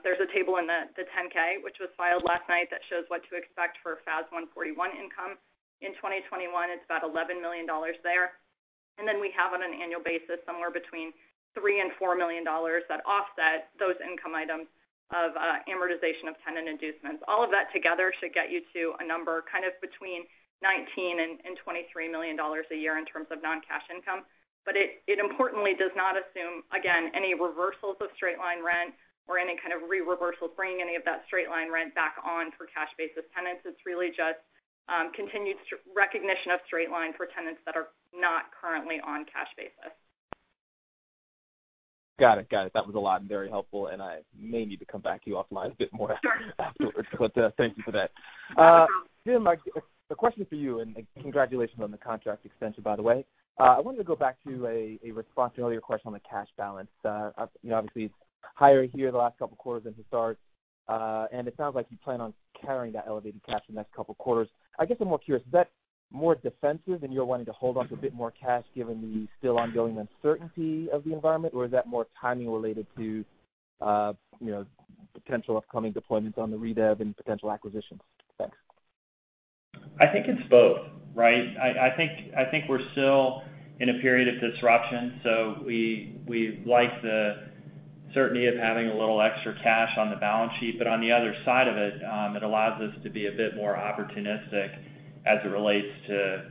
There's a table in the 10-K, which was filed last night, that shows what to expect for FAS 141 income. In 2021, it's about $11 million there. Then we have on an annual basis somewhere between $3 million-$4 million that offset those income items of amortization of tenant inducements. All of that together should get you to a number kind of between $19 million and $23 million a year in terms of non-cash income. It importantly does not assume, again, any reversals of straight-line rent or any kind of re-reversals bringing any of that straight-line rent back on for cash basis tenants. It's really just continued recognition of straight-line for tenants that are not currently on cash basis. Got it. That was a lot and very helpful, and I may need to come back to you offline a bit more. Sure afterwards, but thank you for that. Jim, a question for you, and congratulations on the contract extension, by the way. I wanted to go back to a response to an earlier question on the cash balance. Obviously, it's higher here the last couple of quarters than to start. It sounds like you plan on carrying that elevated cash the next couple of quarters. I guess I'm more curious, is that more defensive and you're wanting to hold onto a bit more cash given the still ongoing uncertainty of the environment, or is that more timing related to potential upcoming deployments on the redev and potential acquisitions? Thanks. I think it's both, right? I think we're still in a period of disruption, so we like the certainty of having a little extra cash on the balance sheet. On the other side of it allows us to be a bit more opportunistic as it relates to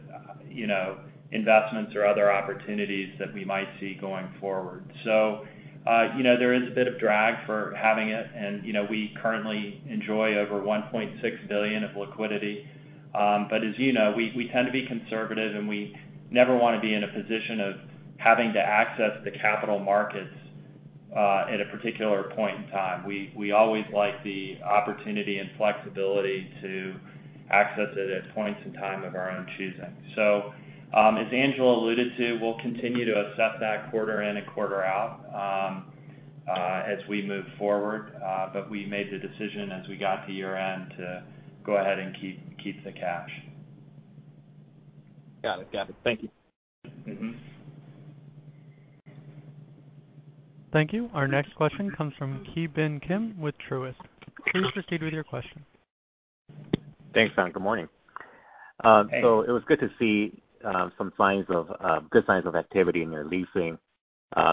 investments or other opportunities that we might see going forward. There is a bit of drag for having it, and we currently enjoy over $1.6 billion of liquidity. As you know, we tend to be conservative, and we never want to be in a position of having to access the capital markets at a particular point in time. We always like the opportunity and flexibility to access it at points in time of our own choosing. As Angela alluded to, we'll continue to assess that quarter in and quarter out as we move forward. We made the decision as we got to year-end to go ahead and keep the cash. Got it. Thank you. Thank you. Our next question comes from Ki Bin Kim with Truist. Please proceed with your question. Thanks, and good morning. Hey. It was good to see some good signs of activity in your leasing.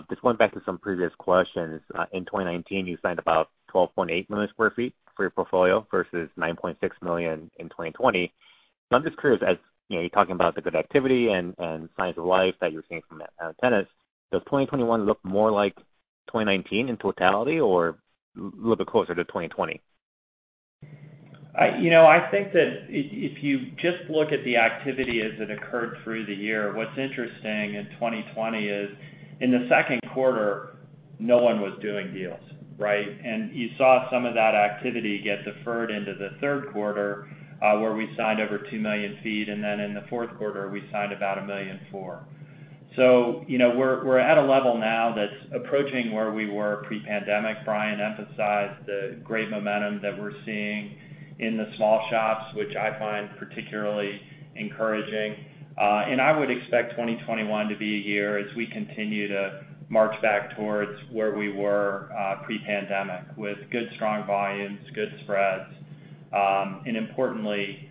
Just going back to some previous questions, in 2019, you signed about 12.8 million sq ft for your portfolio versus 9.6 million in 2020. I'm just curious, as you're talking about the good activity and signs of life that you're seeing from tenants, does 2021 look more like 2019 in totality or a little bit closer to 2020? I think that if you just look at the activity as it occurred through the year, what's interesting in 2020 is in the second quarter, no one was doing deals, right? You saw some of that activity get deferred into the third quarter, where we signed over 2 million ft. In the fourth quarter, we signed about 1.4 million. We're at a level now that's approaching where we were pre-pandemic. Brian emphasized the great momentum that we're seeing in the small shops, which I find particularly encouraging. I would expect 2021 to be a year as we continue to march back towards where we were pre-pandemic, with good strong volumes, good spreads, and importantly,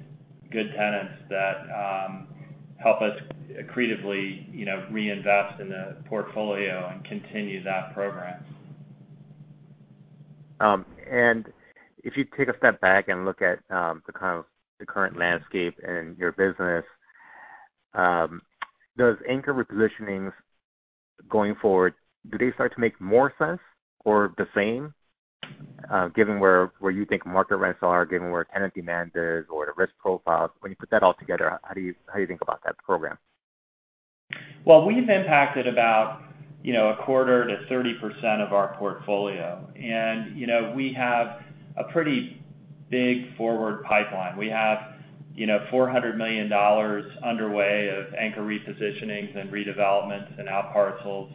good tenants that help us accretively reinvest in the portfolio and continue that program. If you take a step back and look at the current landscape and your business, those anchor repositionings going forward, do they start to make more sense or the same, given where you think market rents are, given where tenant demand is or the risk profiles? When you put that all together, how do you think about that program? Well, we've impacted about a quarter to 30% of our portfolio. We have a pretty big forward pipeline. We have $400 million underway of anchor repositionings and redevelopments and outparcels,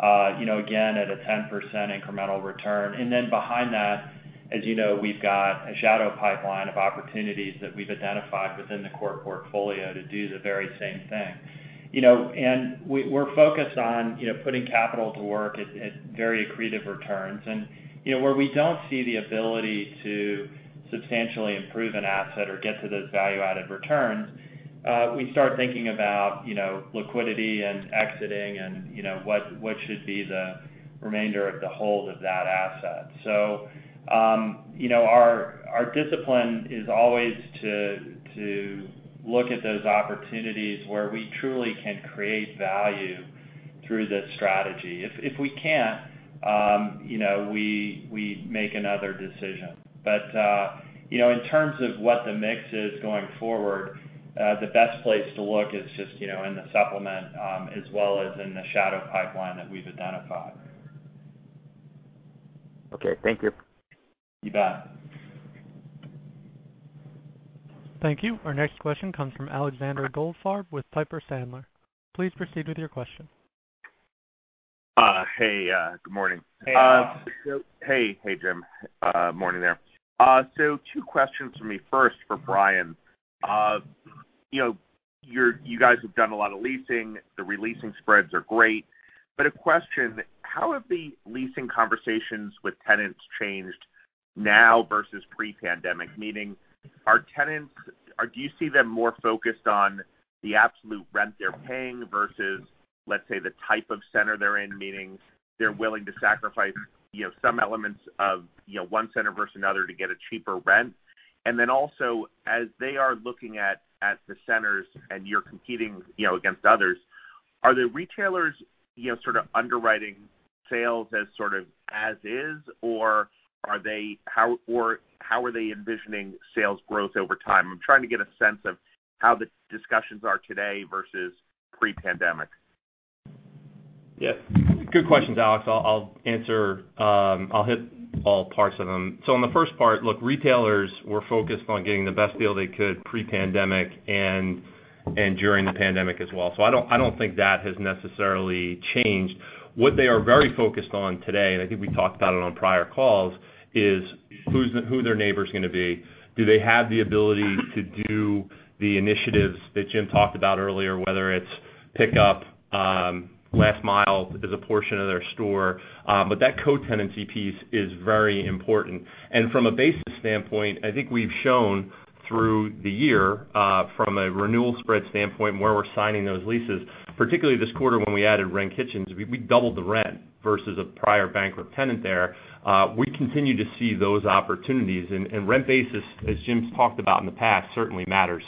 again, at a 10% incremental return. Behind that, as you know, we've got a shadow pipeline of opportunities that we've identified within the core portfolio to do the very same thing. We're focused on putting capital to work at very accretive returns. Where we don't see the ability to substantially improve an asset or get to those value-added returns, we start thinking about liquidity and exiting and what should be the remainder of the hold of that asset. Our discipline is always to look at those opportunities where we truly can create value through the strategy. If we can't, we make another decision. In terms of what the mix is going forward, the best place to look is just in the supplement, as well as in the shadow pipeline that we've identified. Okay. Thank you. You bet. Thank you. Our next question comes from Alexander Goldfarb with Piper Sandler. Please proceed with your question. Hey. Good morning. Hey. Hey, Jim. Morning there. Two questions from me. First, for Brian. You guys have done a lot of leasing. The re-leasing spreads are great. A question, how have the leasing conversations with tenants changed now versus pre-pandemic? Meaning, our tenants, do you see them more focused on the absolute rent they're paying versus, let's say, the type of center they're in, meaning they're willing to sacrifice some elements of one center versus another to get a cheaper rent? Also, as they are looking at the centres and you're competing against others, are the retailers sort of underwriting sales as sort of as is, or how are they envisioning sales growth over time? I'm trying to get a sense of how the discussions are today versus pre-pandemic. Good questions, Alex. I'll hit all parts of them. On the first part, look, retailers were focused on getting the best deal they could pre-pandemic and during the pandemic as well. I don't think that has necessarily changed. What they are very focused on today, and I think we talked about it on prior calls, is who their neighbor's going to be. Do they have the ability to do the initiatives that Jim talked about earlier, whether it's pickup, last mile as a portion of their store. That co-tenancy piece is very important. From a basis standpoint, I think we've shown through the year, from a renewal spread standpoint and where we're signing those leases, particularly this quarter when we added Rent Kitchens, we doubled the rent versus a prior bankrupt tenant there. We continue to see those opportunities. Rent basis, as Jim's talked about in the past, certainly matters.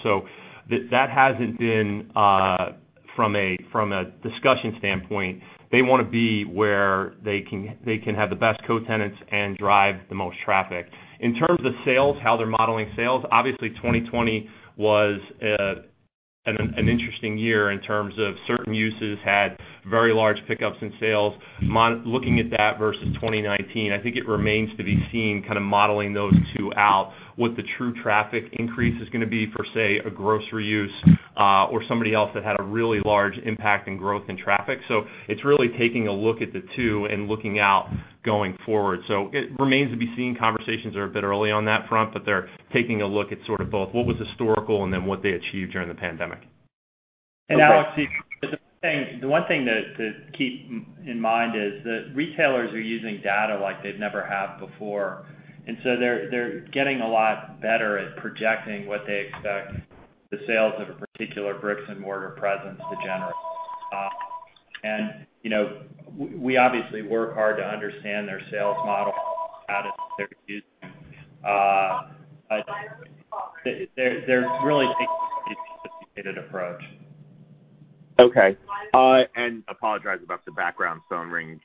That hasn't been from a discussion standpoint. They want to be where they can have the best co-tenants and drive the most traffic. In terms of sales, how they're modeling sales, obviously 2020 was an interesting year in terms of certain uses had very large pickups in sales. Looking at that versus 2019, I think it remains to be seen kind of modeling those two out, what the true traffic increase is going to be for, say, a grocery use, or somebody else that had a really large impact in growth and traffic. It's really taking a look at the two and looking out going forward. It remains to be seen. Conversations are a bit early on that front. They're taking a look at sort of both what was historical and then what they achieved during the pandemic. Alex, the one thing to keep in mind is that retailers are using data like they've never have before. They're getting a lot better at projecting what they expect the sales of a particular bricks and mortar presence to generate. We obviously work hard to understand their sales model and the data that they're using. They're really taking a sophisticated approach. Okay. Apologize about the background phone ringing.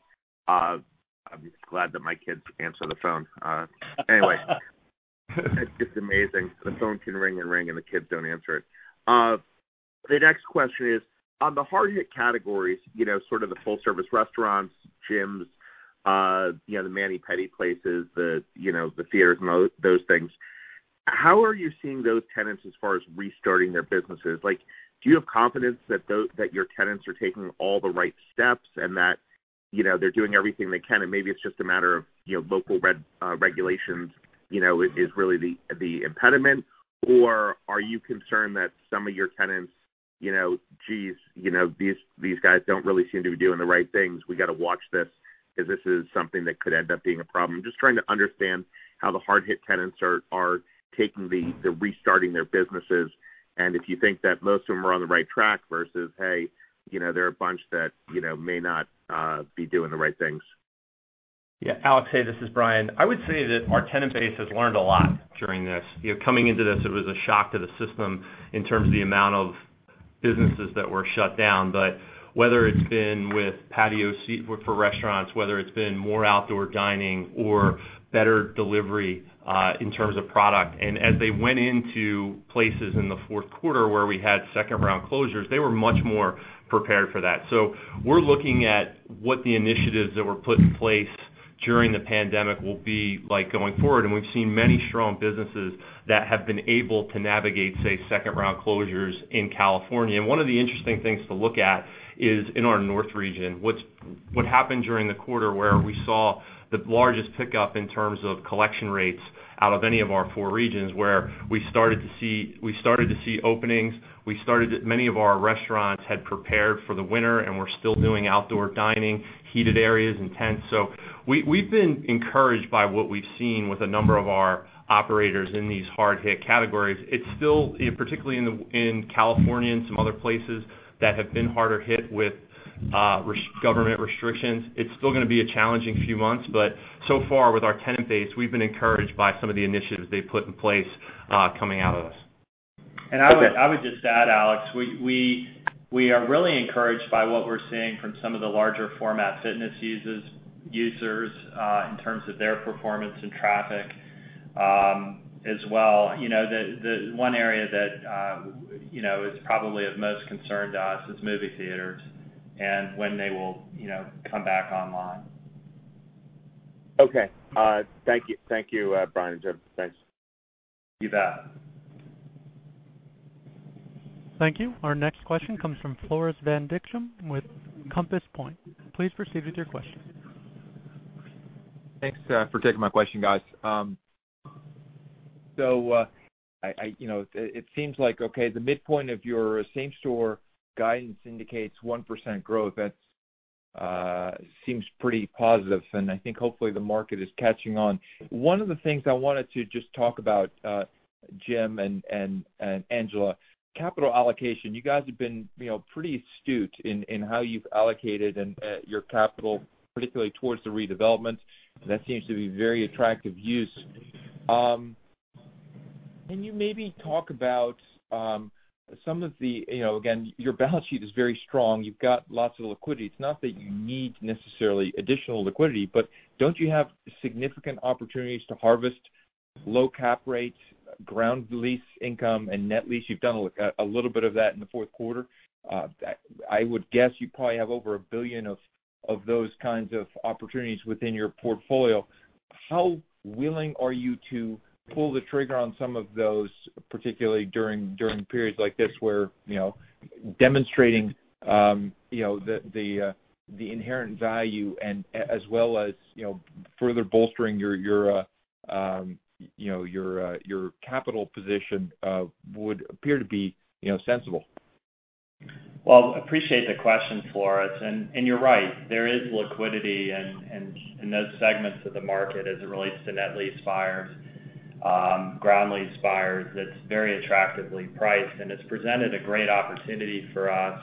I'm just glad that my kids answer the phone. Anyway. It's just amazing. The phone can ring and ring, and the kids don't answer it. The next question is, on the hard-hit categories, sort of the full-service restaurants, gyms, the mani-pedi places, the theaters, and those things, how are you seeing those tenants as far as restarting their businesses? Do you have confidence that your tenants are taking all the right steps and that they're doing everything they can, and maybe it's just a matter of local regulations is really the impediment? Or are you concerned that some of your tenants, geez, these guys don't really seem to be doing the right things, we got to watch this if this is something that could end up being a problem? I'm just trying to understand how the hard-hit tenants are restarting their businesses, and if you think that most of them are on the right track versus, hey, there are a bunch that may not be doing the right things. Yeah, Alex, hey, this is Brian. I would say that our tenant base has learned a lot during this. Coming into this, it was a shock to the system in terms of the amount of businesses that were shut down. Whether it's been with patio seat for restaurants, whether it's been more outdoor dining or better delivery in terms of product, as they went into places in the fourth quarter where we had second-round closures, they were much more prepared for that. We're looking at what the initiatives that were put in place during the pandemic will be like going forward. We've seen many strong businesses that have been able to navigate, say, second-round closures in California. One of the interesting things to look at is in our north region. What happened during the quarter where we saw the largest pickup in terms of collection rates out of any of our four regions, where we started to see openings. Many of our restaurants had prepared for the winter and were still doing outdoor dining, heated areas, and tents. We've been encouraged by what we've seen with a number of our operators in these hard-hit categories. Particularly in California and some other places that have been harder hit with government restrictions, it's still going to be a challenging few months. So far with our tenant base, we've been encouraged by some of the initiatives they've put in place, coming out of this. Okay. I would just add, Alex, we are really encouraged by what we're seeing from some of the larger format fitness users in terms of their performance and traffic as well. The one area that is probably of most concern to us is movie theaters and when they will come back online. Okay. Thank you, Brian and Jim. Thanks. You bet. Thank you. Our next question comes from Floris van Dijkum with Compass Point. Please proceed with your question. Thanks for taking my question, guys. It seems like, okay, the midpoint of your same-store guidance indicates 1% growth. That seems pretty positive, and I think hopefully the market is catching on. One of the things I wanted to just talk about, Jim and Angela, capital allocation. You guys have been pretty astute in how you've allocated your capital, particularly towards the redevelopment. That seems to be a very attractive use. Can you maybe talk about some of the Again, your balance sheet is very strong. You've got lots of liquidity. It's not that you need necessarily additional liquidity, but don't you have significant opportunities to harvest low cap rates, ground lease income, and net lease? You've done a little bit of that in the fourth quarter. I would guess you probably have over $1 billion of those kinds of opportunities within your portfolio. How willing are you to pull the trigger on some of those, particularly during periods like this, where demonstrating the inherent value and as well as further bolstering your capital position would appear to be sensible. Well, appreciate the question, Floris. You're right. There is liquidity in those segments of the market as it relates to net lease buyers, ground lease buyers, that's very attractively priced. It's presented a great opportunity for us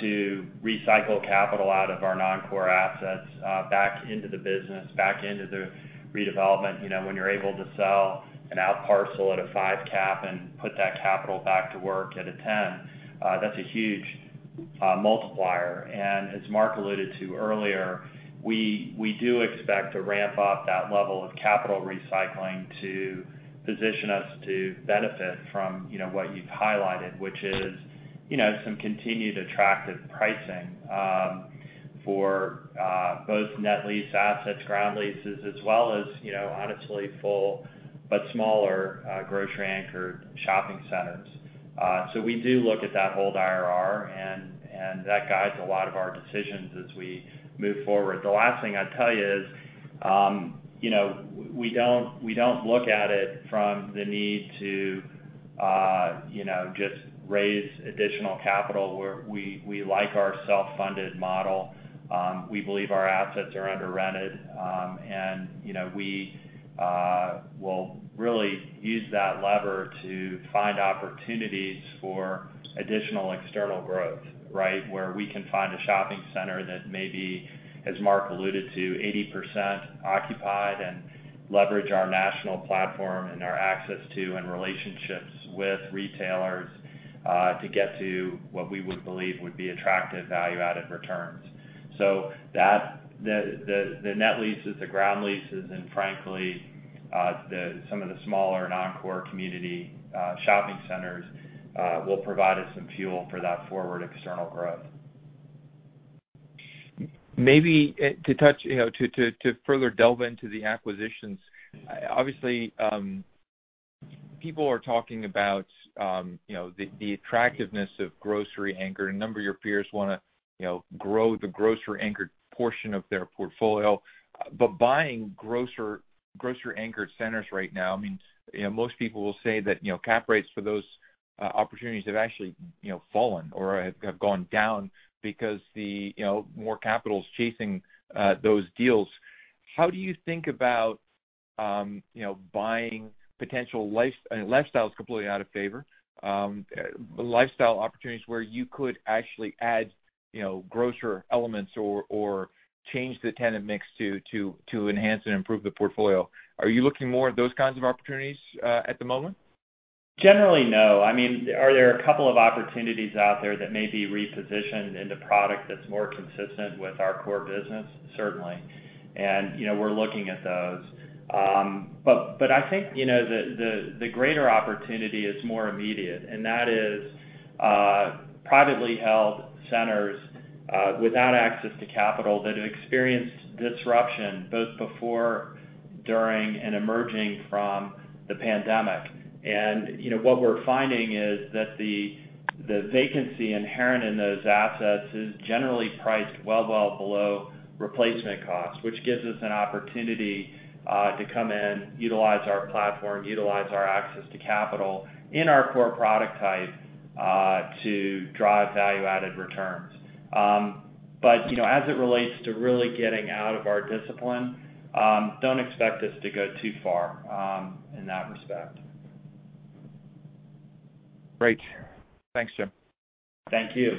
to recycle capital out of our non-core assets back into the business, back into the redevelopment. When you're able to sell an out parcel at a five cap and put that capital back to work at a 10, that's a huge multiplier. As Mark alluded to earlier, we do expect to ramp up that level of capital recycling to position us to benefit from what you've highlighted, which is some continued attractive pricing for both net lease assets, ground leases, as well as honestly full but smaller grocery anchored shopping centres. We do look at that whole IRR, and that guides a lot of our decisions as we move forward. The last thing I'd tell you is, we don't look at it from the need to just raise additional capital. We like our self-funded model. We believe our assets are under-rented. We will really use that lever to find opportunities for additional external growth, right where we can find a shopping center that may be, as Mark alluded to, 80% occupied, and leverage our national platform and our access to and relationships with retailers, to get to what we would believe would be attractive value-added returns. The net leases, the ground leases, and frankly, some of the smaller non-core community shopping centres will provide us some fuel for that forward external growth. Maybe to further delve into the acquisitions, obviously, people are talking about the attractiveness of grocery anchor. A number of your peers want to grow the grocery anchored portion of their portfolio. Buying grocery anchored centres right now, most people will say that cap rates for those opportunities have actually fallen or have gone down because more capital is chasing those deals. How do you think about buying lifestyle is completely out of favor, lifestyle opportunities where you could actually add grocer elements or change the tenant mix to enhance and improve the portfolio. Are you looking more at those kinds of opportunities at the moment? Generally, no. Are there a couple of opportunities out there that may be repositioned into product that's more consistent with our core business? Certainly. We're looking at those. I think the greater opportunity is more immediate, and that is privately held centres without access to capital that have experienced disruption both before, during, and emerging from the pandemic. What we're finding is that the vacancy inherent in those assets is generally priced well below replacement costs, which gives us an opportunity to come in, utilize our platform, utilize our access to capital in our core product type to drive value-added returns. As it relates to really getting out of our discipline, don't expect us to go too far in that respect. Great. Thanks, Jim. Thank you.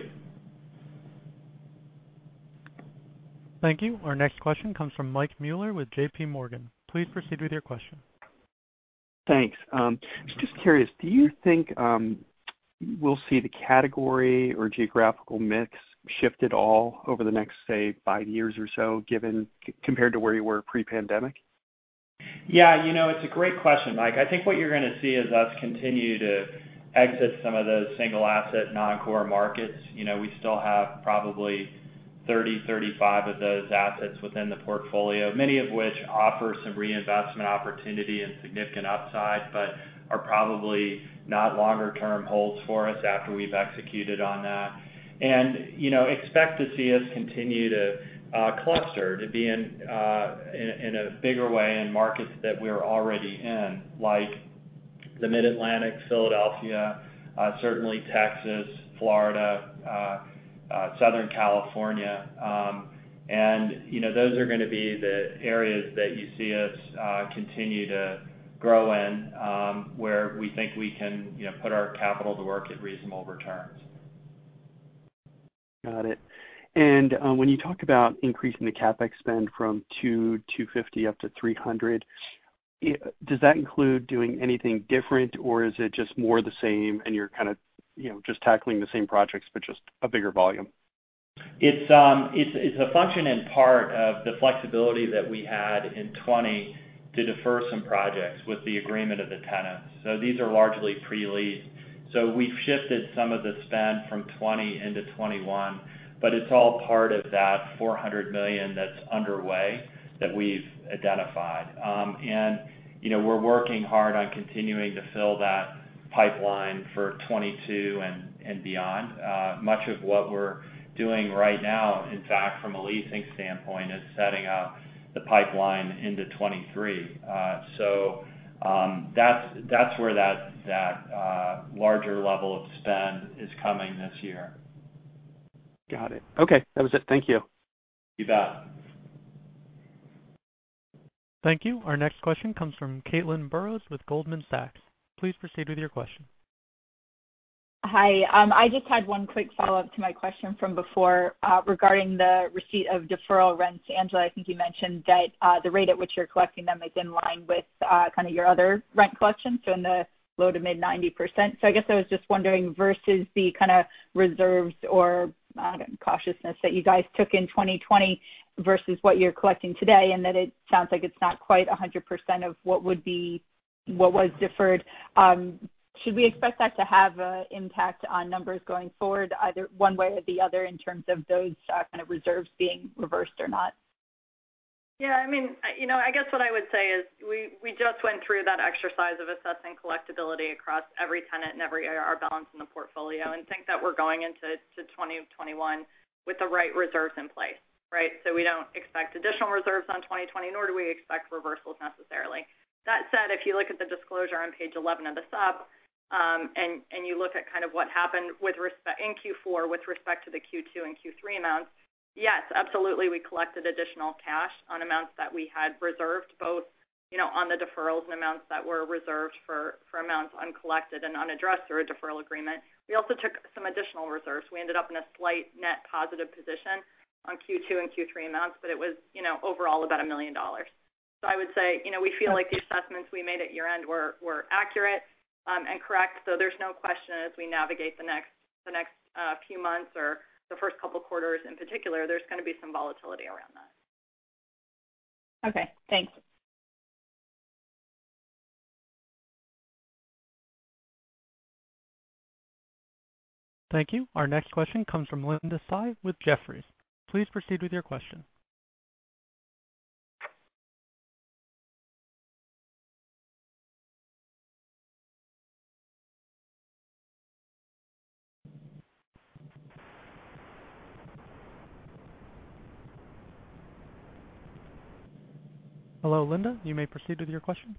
Thank you. Our next question comes from Michael Mueller with JPMorgan. Please proceed with your question. Thanks. Just curious, do you think we'll see the category or geographical mix shift at all over the next, say, five years or so, compared to where you were pre-pandemic? Yeah. It's a great question, Mike. I think what you're going to see is us continue to exit some of those single asset non-core markets. We still have probably 30, 35 of those assets within the portfolio, many of which offer some reinvestment opportunity and significant upside, but are probably not longer term holds for us after we've executed on that. Expect to see us continue to cluster, to be in a bigger way in markets that we're already in, like the Mid-Atlantic, Philadelphia, certainly Texas, Florida, Southern California. Those are going to be the areas that you see us continue to grow in where we think we can put our capital to work at reasonable returns. Got it. When you talk about increasing the CapEx spend from $200, $250 up to $300, does that include doing anything different, or is it just more the same and you're kind of just tackling the same projects, but just a bigger volume? It's a function and part of the flexibility that we had in 2020 to defer some projects with the agreement of the tenants. These are largely pre-leased. We've shifted some of the spend from 2020 into 2021, but it's all part of that $400 million that's underway that we've identified. We're working hard on continuing to fill that pipeline for 2022 and beyond. Much of what we're doing right now, in fact, from a leasing standpoint, is setting up the pipeline into 2023. That's where that larger level of spend is coming this year. Got it. Okay, that was it. Thank you. You bet. Thank you. Our next question comes from Caitlin Burrows with Goldman Sachs. Please proceed with your question. Hi. I just had one quick follow-up to my question from before regarding the receipt of deferral rents. Angela, I think you mentioned that the rate at which you're collecting them is in line with kind of your other rent collections, so in the low to mid 90%. I guess I was just wondering versus the kind of reserves or cautiousness that you guys took in 2020 versus what you're collecting today, and that it sounds like it's not quite 100% of what was deferred. Should we expect that to have an impact on numbers going forward, either one way or the other in terms of those kind of reserves being reversed or not? I guess what I would say is we just went through that exercise of assessing collectability across every tenant and every AR balance in the portfolio and think that we're going into 2021 with the right reserves in place. Right. We don't expect additional reserves on 2020, nor do we expect reversals necessarily. That said, if you look at the disclosure on page 11 of the sup, and you look at kind of what happened in Q4 with respect to the Q2 and Q3 amounts, yes, absolutely we collected additional cash on amounts that we had reserved, both on the deferrals and amounts that were reserved for amounts uncollected and unaddressed through a deferral agreement. We also took some additional reserves. We ended up in a slight net positive position on Q2 and Q3 amounts, but it was overall about $1 million. I would say we feel like the assessments we made at year-end were accurate and correct. There's no question as we navigate the next few months or the first couple of quarters in particular, there's going to be some volatility around that. Okay, thanks. Thank you. Our next question comes from Linda Tsai with Jefferies. Please proceed with your question. Hello, Linda, you may proceed with your question.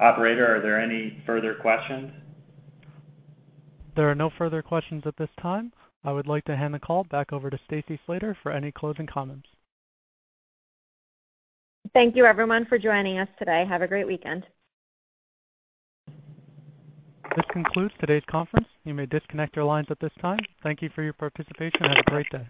Operator, are there any further questions? There are no further questions at this time. I would like to hand the call back over to Stacy Slater for any closing comments. Thank you everyone for joining us today. Have a great weekend. This concludes today's conference. You may disconnect your lines at this time. Thank you for your participation and have a great day.